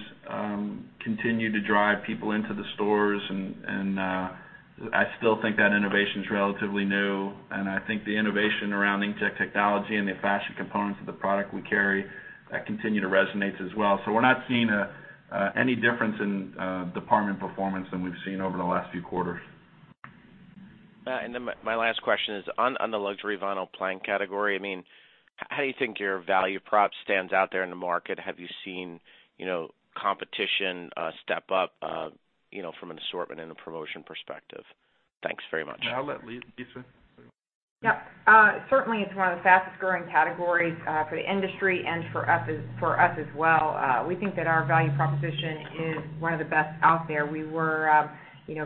continue to drive people into the stores, and I still think that innovation's relatively new. I think the innovation around inkjet technology and the fashion components of the product we carry continue to resonate as well. We're not seeing any difference in department performance than we've seen over the last few quarters. My last question is on the luxury vinyl plank category, how do you think your value prop stands out there in the market? Have you seen competition step up from an assortment and a promotion perspective? Thanks very much. I'll let Lisa Yep. Certainly, it's one of the fastest-growing categories for the industry and for us as well. We think that our value proposition is one of the best out there. We were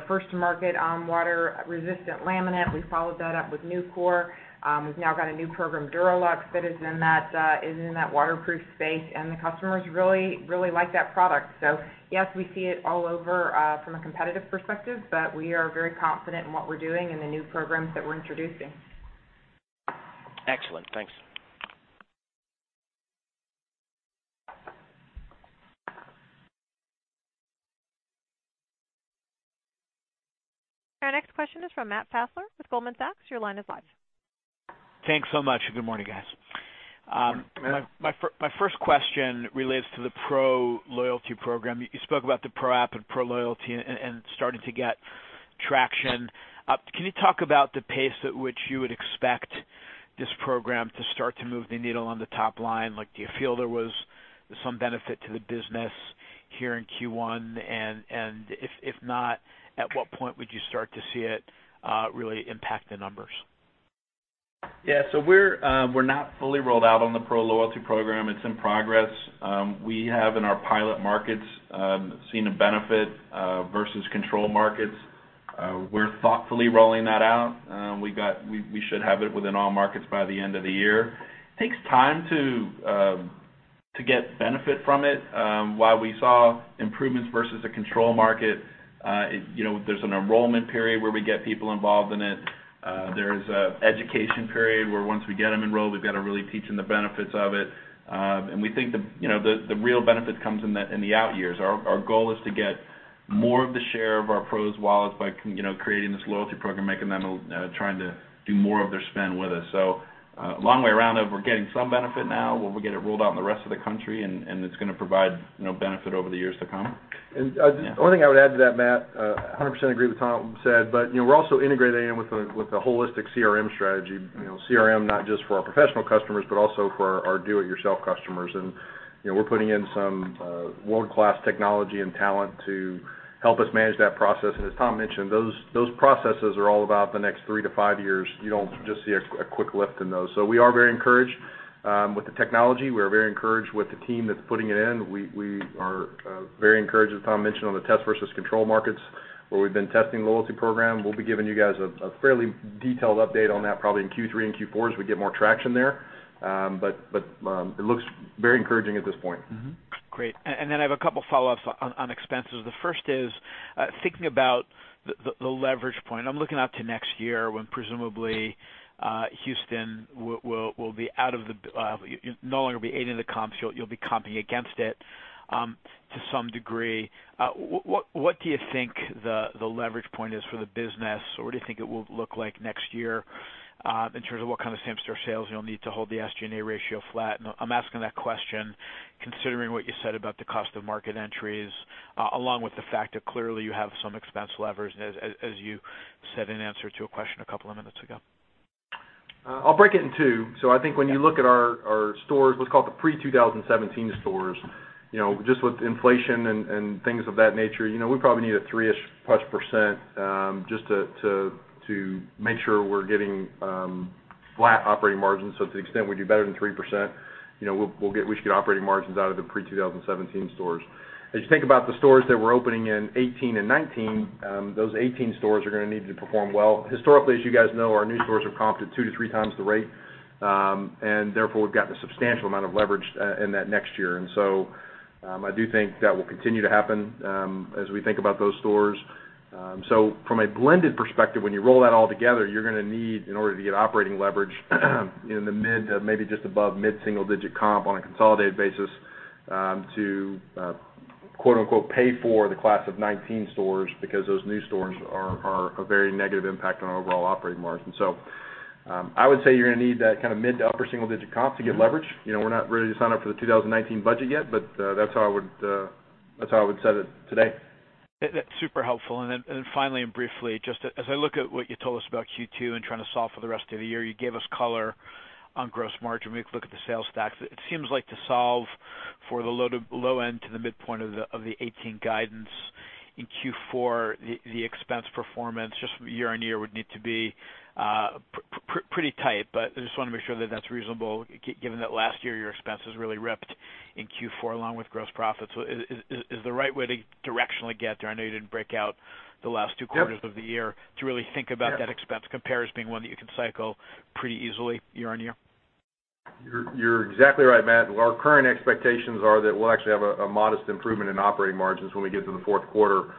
first to market on water-resistant laminate. We followed that up with NuCore. We've now got a new program, DuraLux, that is in that waterproof space, and the customers really, really like that product. Yes, we see it all over from a competitive perspective, but we are very confident in what we're doing and the new programs that we're introducing. Excellent. Thanks. Our next question is from Matt Fassler with Goldman Sachs. Your line is live. Thanks so much. Good morning, guys. Good morning. My first question relates to the Pro loyalty program. You spoke about the Pro app and Pro loyalty and starting to get traction. Can you talk about the pace at which you would expect this program to start to move the needle on the top line? Do you feel there was some benefit to the business here in Q1? If not, at what point would you start to see it really impact the numbers? Yeah. We're not fully rolled out on the Pro loyalty program. It's in progress. We have, in our pilot markets, seen a benefit versus control markets. We're thoughtfully rolling that out. We should have it within all markets by the end of the year. It takes time to get benefit from it. While we saw improvements versus a control market, there's an enrollment period where we get people involved in it. There's an education period where once we get them enrolled, we've got to really teach them the benefits of it. We think the real benefit comes in the out years. Our goal is to get more of the share of our Pros' wallets by creating this loyalty program, trying to do more of their spend with us. Long way around though, we're getting some benefit now, when we get it rolled out in the rest of the country, it's going to provide benefit over the years to come. The only thing I would add to that, Matt, 100% agree with what Tom said, we're also integrating in with a holistic CRM strategy. CRM, not just for our professional customers, but also for our do-it-yourself customers. We're putting in some world-class technology and talent to help us manage that process. As Tom mentioned, those processes are all about the next three to five years. You don't just see a quick lift in those. We are very encouraged with the technology, we are very encouraged with the team that's putting it in. We are very encouraged, as Tom mentioned, on the test versus control markets, where we've been testing the loyalty program. We'll be giving you guys a fairly detailed update on that, probably in Q3 and Q4 as we get more traction there. It looks very encouraging at this point. Great. I have a couple of follow-ups on expenses. The first is thinking about the leverage point. I'm looking out to next year when presumably Houston will no longer be aiding the comps. You'll be comping against it to some degree. What do you think the leverage point is for the business, or what do you think it will look like next year in terms of what kind of same-store sales you'll need to hold the SG&A ratio flat? I'm asking that question considering what you said about the cost of market entries, along with the fact that clearly you have some expense levers, as you said in answer to a question a couple of minutes ago. I'll break it in two. I think when you look at our stores, let's call it the pre-2017 stores, just with inflation and things of that nature, we probably need a 3-ish plus %, just to make sure we're getting flat operating margins. To the extent we do better than 3%, we should get operating margins out of the pre-2017 stores. As you think about the stores that we're opening in 2018 and 2019, those 2018 stores are going to need to perform well. Historically, as you guys know, our new stores have comped at two to three times the rate, therefore, we've got a substantial amount of leverage in that next year. I do think that will continue to happen as we think about those stores. From a blended perspective, when you roll that all together, you're going to need, in order to get operating leverage, in the mid to maybe just above mid-single digit comp on a consolidated basis, to "pay for" the class of 2019 stores because those new stores are a very negative impact on our overall operating margin. I would say you're going to need that mid to upper single-digit comp to get leverage. We're not ready to sign up for the 2019 budget yet, that's how I would set it today. That's super helpful. Finally, and briefly, just as I look at what you told us about Q2 and trying to solve for the rest of the year, you gave us color on gross margin. We can look at the sales stacks. It seems like to solve for the low end to the midpoint of the 2018 guidance in Q4, the expense performance just from year on year would need to be pretty tight. I just want to make sure that's reasonable given that last year your expenses really ripped in Q4 along with gross profits. Is the right way to directionally get there, I know you didn't break out the last two quarters of the year, to really think about that expense compare as being one that you can cycle pretty easily year on year? You're exactly right, Matt. Our current expectations are that we'll actually have a modest improvement in operating margins when we get to the fourth quarter,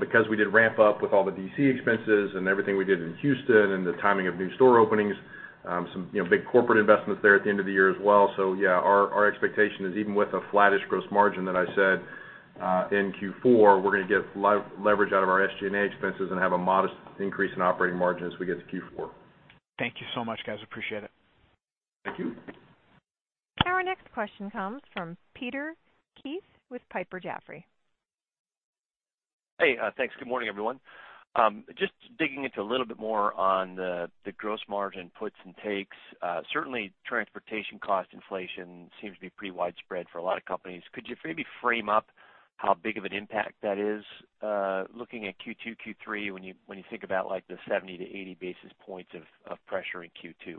because we did ramp up with all the DC expenses and everything we did in Houston and the timing of new store openings, some big corporate investments there at the end of the year as well. Yeah, our expectation is even with a flattish gross margin that I said in Q4, we're going to get leverage out of our SG&A expenses and have a modest increase in operating margin as we get to Q4. Thank you so much, guys. Appreciate it. Thank you. Our next question comes from Peter Keith with Piper Jaffray. Hey, thanks. Good morning, everyone. Just digging into a little bit more on the gross margin puts and takes. Certainly, transportation cost inflation seems to be pretty widespread for a lot of companies. Could you maybe frame up how big of an impact that is, looking at Q2, Q3, when you think about the 70-80 basis points of pressure in Q2?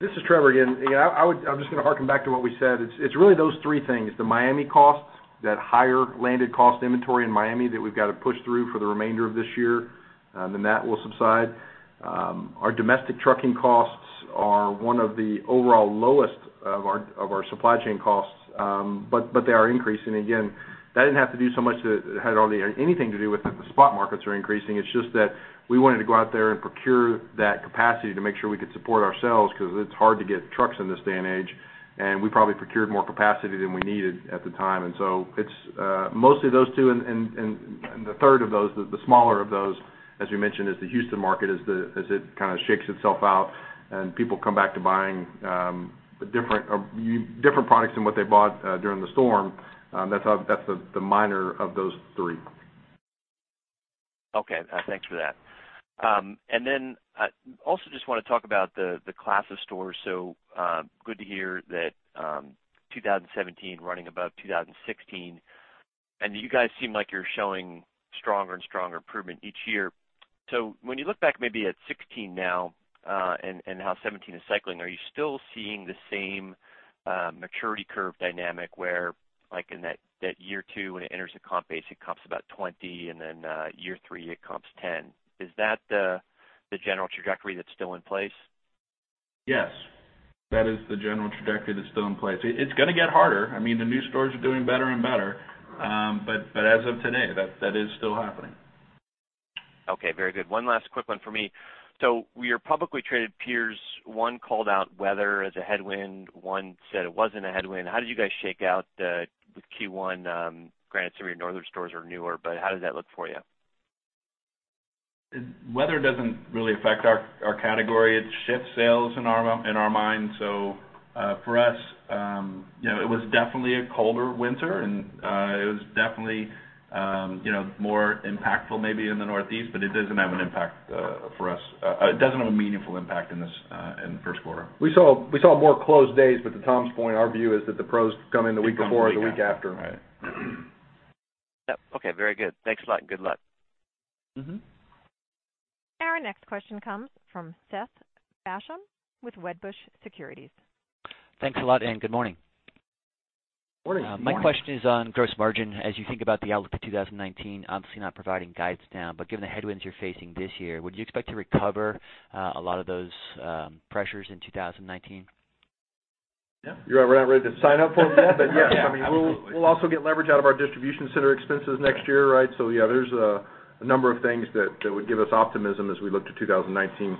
This is Trevor again. I'm just going to harken back to what we said. It's really those three things, the Miami costs, that higher landed cost inventory in Miami that we've got to push through for the remainder of this year, and then that will subside. Our domestic trucking costs are one of the overall lowest of our supply chain costs, they are increasing. Again, that didn't have anything to do with the spot markets are increasing. It's just that we wanted to go out there and procure that capacity to make sure we could support ourselves because it's hard to get trucks in this day and age, and we probably procured more capacity than we needed at the time. It's mostly those two and the third of those, the smaller of those, as we mentioned, is the Houston market as it kind of shakes itself out and people come back to buying different products than what they bought during the storm. That's the minor of those three. Okay, thanks for that. Also just want to talk about the class of stores. Good to hear that 2017 running above 2016, and you guys seem like you're showing stronger and stronger improvement each year. When you look back maybe at 2016 now, and how 2017 is cycling, are you still seeing the same maturity curve dynamic where, like in that year 2, when it enters a comp base, it comps about 20%, and then year 3, it comps 10%. Is that the general trajectory that's still in place? Yes. That is the general trajectory that's still in place. It's going to get harder. I mean, the new stores are doing better and better. As of today, that is still happening. Okay, very good. One last quick one for me. Your publicly traded peers, one called out weather as a headwind, one said it wasn't a headwind. How did you guys shake out with Q1, granted some of your northern stores are newer, but how does that look for you? Weather doesn't really affect our category. It shifts sales in our mind. For us, it was definitely a colder winter, and it was definitely more impactful maybe in the Northeast, but it doesn't have a meaningful impact in the first quarter. We saw more closed days, to Tom's point, our view is that the pros come in the week before or the week after. It comes later. Right. Yep. Okay, very good. Thanks a lot, and good luck. Our next question comes from Seth Basham with Wedbush Securities. Thanks a lot, good morning. Morning. My question is on gross margin. As you think about the outlook for 2019, obviously you're not providing guides now, given the headwinds you're facing this year, would you expect to recover a lot of those pressures in 2019? Yeah. We're not ready to sign up for them yet, yes. Yeah, absolutely. We'll also get leverage out of our distribution center expenses next year, right? Yeah, there's a number of things that would give us optimism as we look to 2019.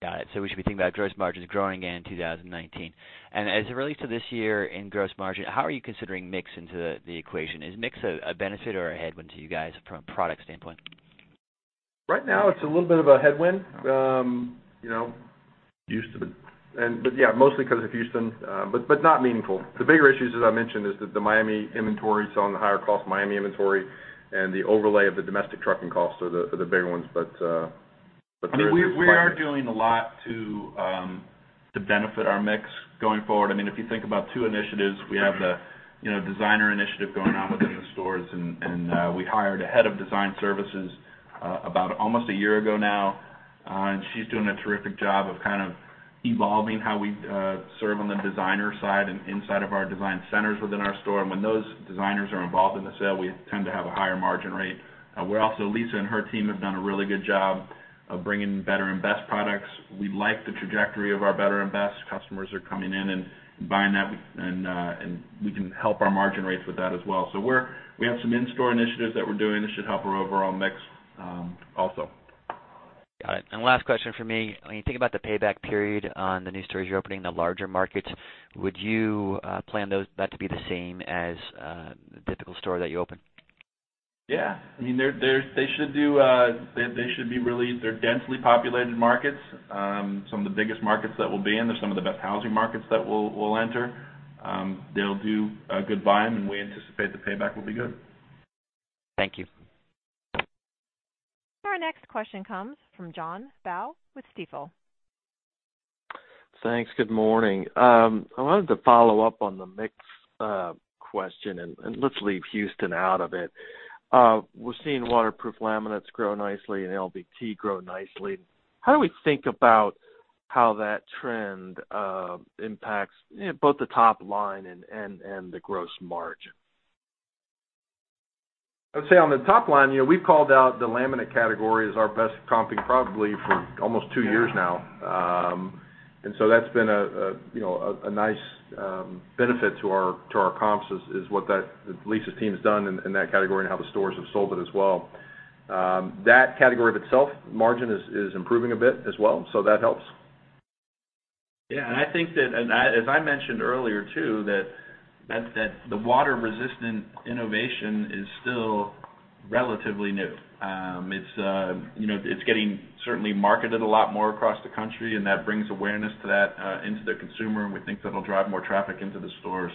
Got it. We should be thinking about gross margins growing again in 2019. As it relates to this year in gross margin, how are you considering mix into the equation? Is mix a benefit or a headwind to you guys from a product standpoint? Right now, it's a little bit of a headwind, mostly because of Houston, but not meaningful. The bigger issues, as I mentioned, is that the Miami inventory, selling the higher cost of Miami inventory and the overlay of the domestic trucking costs are the bigger ones. We are doing a lot to benefit our mix going forward. If you think about two initiatives, we have the designer initiative going on within the stores, we hired a head of design services about almost a year ago now. She's doing a terrific job of evolving how we serve on the designer side and inside of our design centers within our store. When those designers are involved in the sale, we tend to have a higher margin rate. Also, Lisa and her team have done a really good job of bringing better and best products. We like the trajectory of our better and best. Customers are coming in and buying that, and we can help our margin rates with that as well. We have some in-store initiatives that we're doing that should help our overall mix, also. Got it. Last question from me. When you think about the payback period on the new stores you're opening in the larger markets, would you plan that to be the same as a typical store that you open? Yeah. They're densely populated markets. Some of the biggest markets that we'll be in. They're some of the best housing markets that we'll enter. They'll do a good volume, and we anticipate the payback will be good. Thank you. Our next question comes from John Baugh with Stifel. Thanks. Good morning. I wanted to follow up on the mix question. Let's leave Houston out of it. We're seeing waterproof laminates grow nicely and LVT grow nicely. How do we think about how that trend impacts both the top line and the gross margin? I would say on the top line, we've called out the laminate category as our best comping probably for almost two years now. That's been a nice benefit to our comps, is what that Lisa's team has done in that category and how the stores have sold it as well. That category of itself, margin is improving a bit as well, so that helps. Yeah, I think that, as I mentioned earlier too, that the water-resistant innovation is still relatively new. It's getting certainly marketed a lot more across the country, and that brings awareness to that into the consumer, and we think that'll drive more traffic into the store.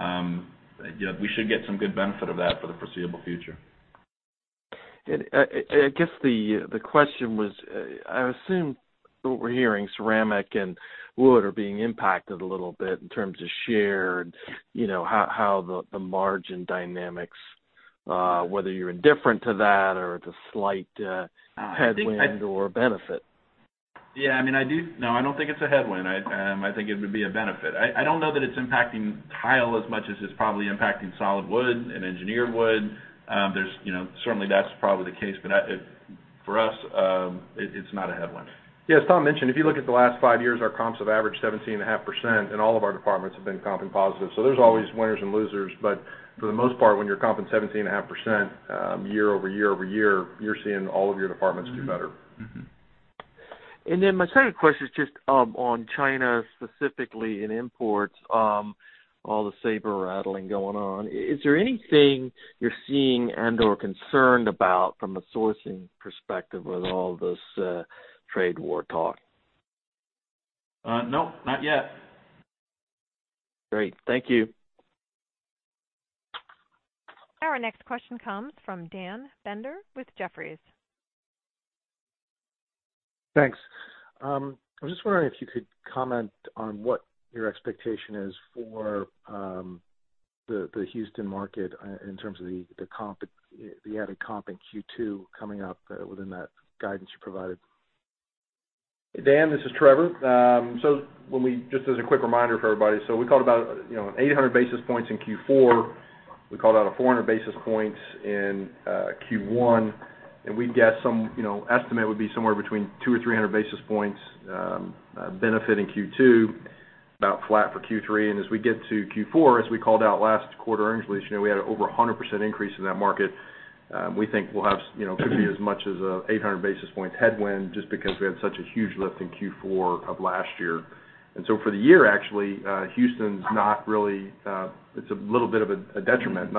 We should get some good benefit of that for the foreseeable future. I guess the question was, I assume what we're hearing, ceramic and wood are being impacted a little bit in terms of share and how the margin dynamics, whether you're indifferent to that or it's a slight headwind or a benefit. Yeah. No, I don't think it's a headwind. I think it would be a benefit. I don't know that it's impacting tile as much as it's probably impacting solid wood and engineered wood. Certainly, that's probably the case, but for us, it's not a headwind. Yeah. As Tom mentioned, if you look at the last five years, our comps have averaged 17.5%, and all of our departments have been comping positive. There's always winners and losers, but for the most part, when you're comping 17.5% year over year over year, you're seeing all of your departments do better. Mm-hmm. My second question is just on China, specifically in imports, all the saber-rattling going on. Is there anything you're seeing and/or concerned about from a sourcing perspective with all this trade war talk? No, not yet. Great. Thank you. Our next question comes from Daniel Fannon with Jefferies. Thanks. I was just wondering if you could comment on what your expectation is for the Houston market in terms of the added comp in Q2 coming up within that guidance you provided. Dan, this is Trevor. Just as a quick reminder for everybody, we called out 800 basis points in Q4. We called out a 400 basis points in Q1, we'd guess some estimate would be somewhere between 200 or 300 basis points benefit in Q2, about flat for Q3. As we get to Q4, as we called out last quarter earnings release, we had an over 100% increase in that market. We think could be as much as a 800 basis points headwind just because we had such a huge lift in Q4 of last year. For the year actually, Houston's not really It's a little bit of a detriment,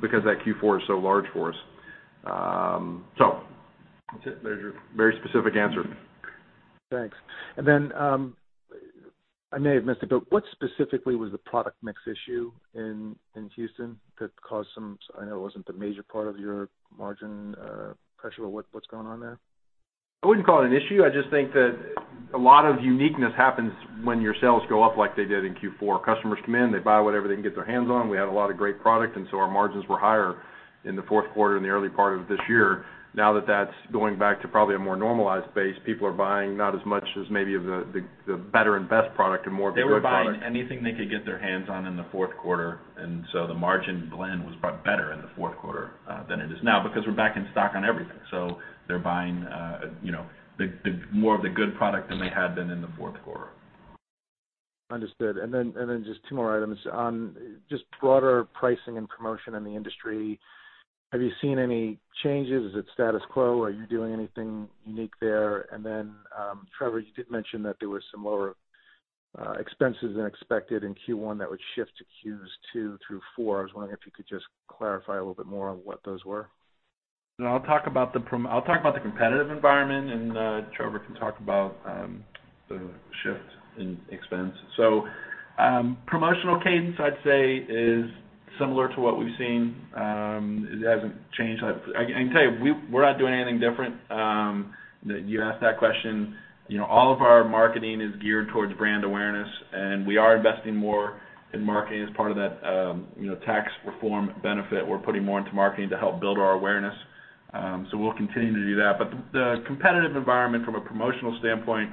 because that Q4 is so large for us. That's it. There's your very specific answer. Thanks. Then, I may have missed it, but what specifically was the product mix issue in Houston that caused some I know it wasn't the major part of your margin pressure, but what's going on there? I wouldn't call it an issue. I just think that a lot of uniqueness happens when your sales go up like they did in Q4. Customers come in, they buy whatever they can get their hands on. We had a lot of great product, so our margins were higher in the fourth quarter and the early part of this year. Now that that's going back to probably a more normalized base, people are buying not as much as maybe of the better and best product and more of the good product. They were buying anything they could get their hands on in the fourth quarter, the margin blend was better in the fourth quarter than it is now because we're back in stock on everything. They're buying more of the good product than they had been in the fourth quarter. Understood. Then just two more items. On just broader pricing and promotion in the industry, have you seen any changes? Is it status quo? Are you doing anything unique there? Then, Trevor, you did mention that there were some lower expenses than expected in Q1 that would shift to Qs 2 through 4. I was wondering if you could just clarify a little bit more on what those were. I'll talk about the competitive environment, Trevor can talk about the shift in expense. Promotional cadence, I'd say, is similar to what we've seen. It hasn't changed. I can tell you, we're not doing anything different. You asked that question. All of our marketing is geared towards brand awareness. We are investing more in marketing as part of that tax reform benefit. We're putting more into marketing to help build our awareness. We'll continue to do that. The competitive environment from a promotional standpoint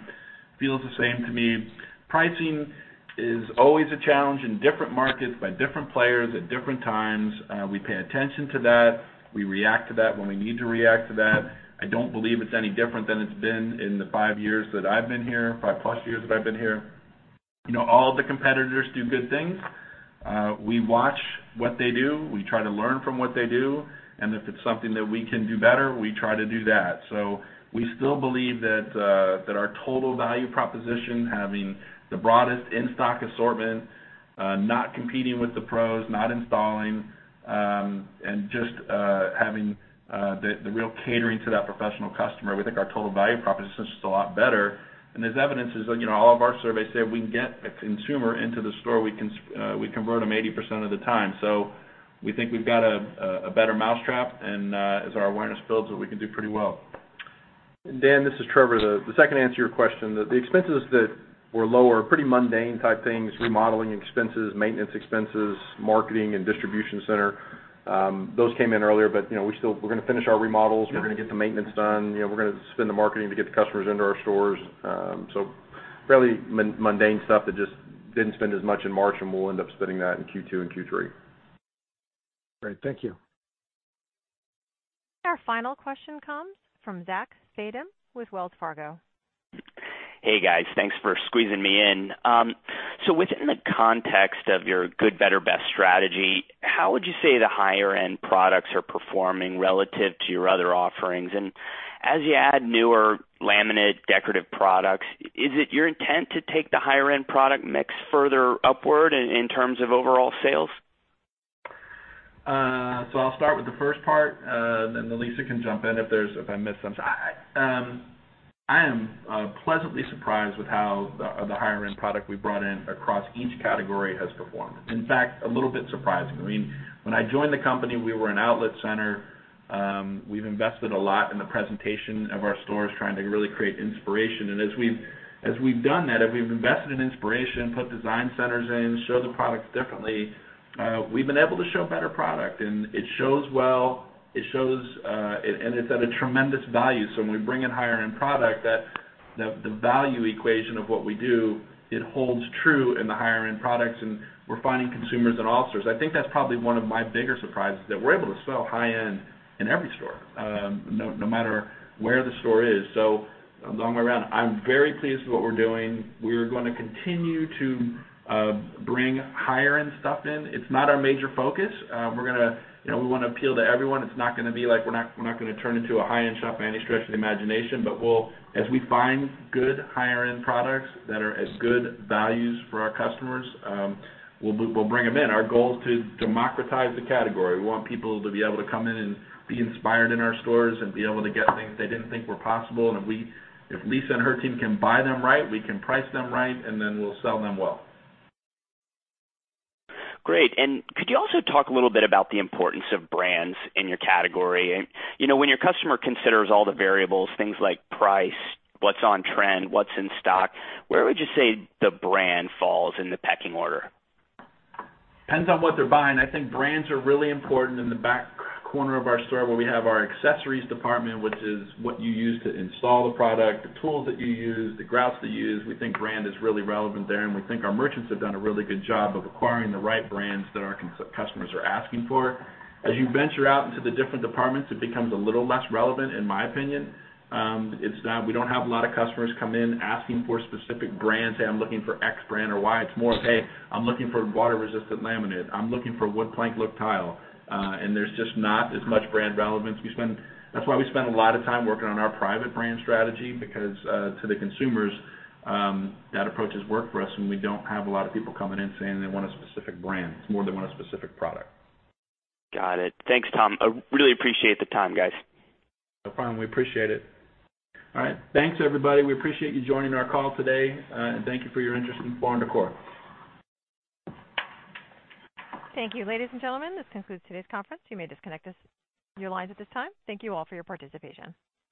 feels the same to me. Pricing is always a challenge in different markets by different players at different times. We pay attention to that. We react to that when we need to react to that. I don't believe it's any different than it's been in the 5 years that I've been here, 5-plus years that I've been here. All the competitors do good things. We watch what they do. We try to learn from what they do. If it's something that we can do better, we try to do that. We still believe that our total value proposition, having the broadest in-stock assortment, not competing with the pros, not installing, just having the real catering to that professional customer, we think our total value proposition is just a lot better. There's evidence as all of our surveys say if we can get a consumer into the store, we convert them 80% of the time. We think we've got a better mousetrap. As our awareness builds, we can do pretty well. Dan, this is Trevor. The second answer to your question, the expenses that were lower are pretty mundane type things, remodeling expenses, maintenance expenses, marketing, and distribution center. Those came in earlier. We're going to finish our remodels. We're going to get the maintenance done. We're going to spend the marketing to get the customers into our stores. Fairly mundane stuff that just didn't spend as much in March. We'll end up spending that in Q2 and Q3. Great. Thank you. Our final question comes from Zachary Fadem with Wells Fargo. Hey, guys. Thanks for squeezing me in. Within the context of your good, better, best strategy, how would you say the higher-end products are performing relative to your other offerings? As you add newer laminate decorative products, is it your intent to take the higher-end product mix further upward in terms of overall sales? I'll start with the first part, then Lisa can jump in if I miss something. I am pleasantly surprised with how the higher-end product we brought in across each category has performed. In fact, a little bit surprising. When I joined the company, we were an outlet center. We've invested a lot in the presentation of our stores, trying to really create inspiration. As we've done that, as we've invested in inspiration, put design centers in, show the products differently, we've been able to show better product. It shows well, and it's at a tremendous value. When we bring in higher-end product, the value equation of what we do, it holds true in the higher-end products and we're finding consumers in all stores. I think that's probably one of my bigger surprises that we're able to sell high-end in every store no matter where the store is. Along the way around, I'm very pleased with what we're doing. We are going to continue to bring higher-end stuff in. It's not our major focus. We want to appeal to everyone. It's not going to be like we're not going to turn into a high-end shop by any stretch of the imagination, but as we find good higher-end products that are as good values for our customers, we'll bring them in. Our goal is to democratize the category. We want people to be able to come in and be inspired in our stores and be able to get things they didn't think were possible. If Lisa and her team can buy them right, we can price them right, then we'll sell them well. Great. Could you also talk a little bit about the importance of brands in your category? When your customer considers all the variables, things like price, what's on trend, what's in stock, where would you say the brand falls in the pecking order? Depends on what they're buying. I think brands are really important in the back corner of our store where we have our accessories department, which is what you use to install the product, the tools that you use, the grouts that you use. We think brand is really relevant there, and we think our merchants have done a really good job of acquiring the right brands that our customers are asking for. As you venture out into the different departments, it becomes a little less relevant, in my opinion. We don't have a lot of customers come in asking for specific brands, say, "I'm looking for X brand or Y." It's more of, "Hey, I'm looking for water-resistant laminate. I'm looking for wood plank look tile." There's just not as much brand relevance. That's why we spend a lot of time working on our private brand strategy because, to the consumers, that approach has worked for us when we don't have a lot of people coming in saying they want a specific brand. It's more they want a specific product. Got it. Thanks, Tom. I really appreciate the time, guys. No problem. We appreciate it. All right. Thanks, everybody. We appreciate you joining our call today, and thank you for your interest in Floor & Decor. Thank you. Ladies and gentlemen, this concludes today's conference. You may disconnect your lines at this time. Thank you all for your participation.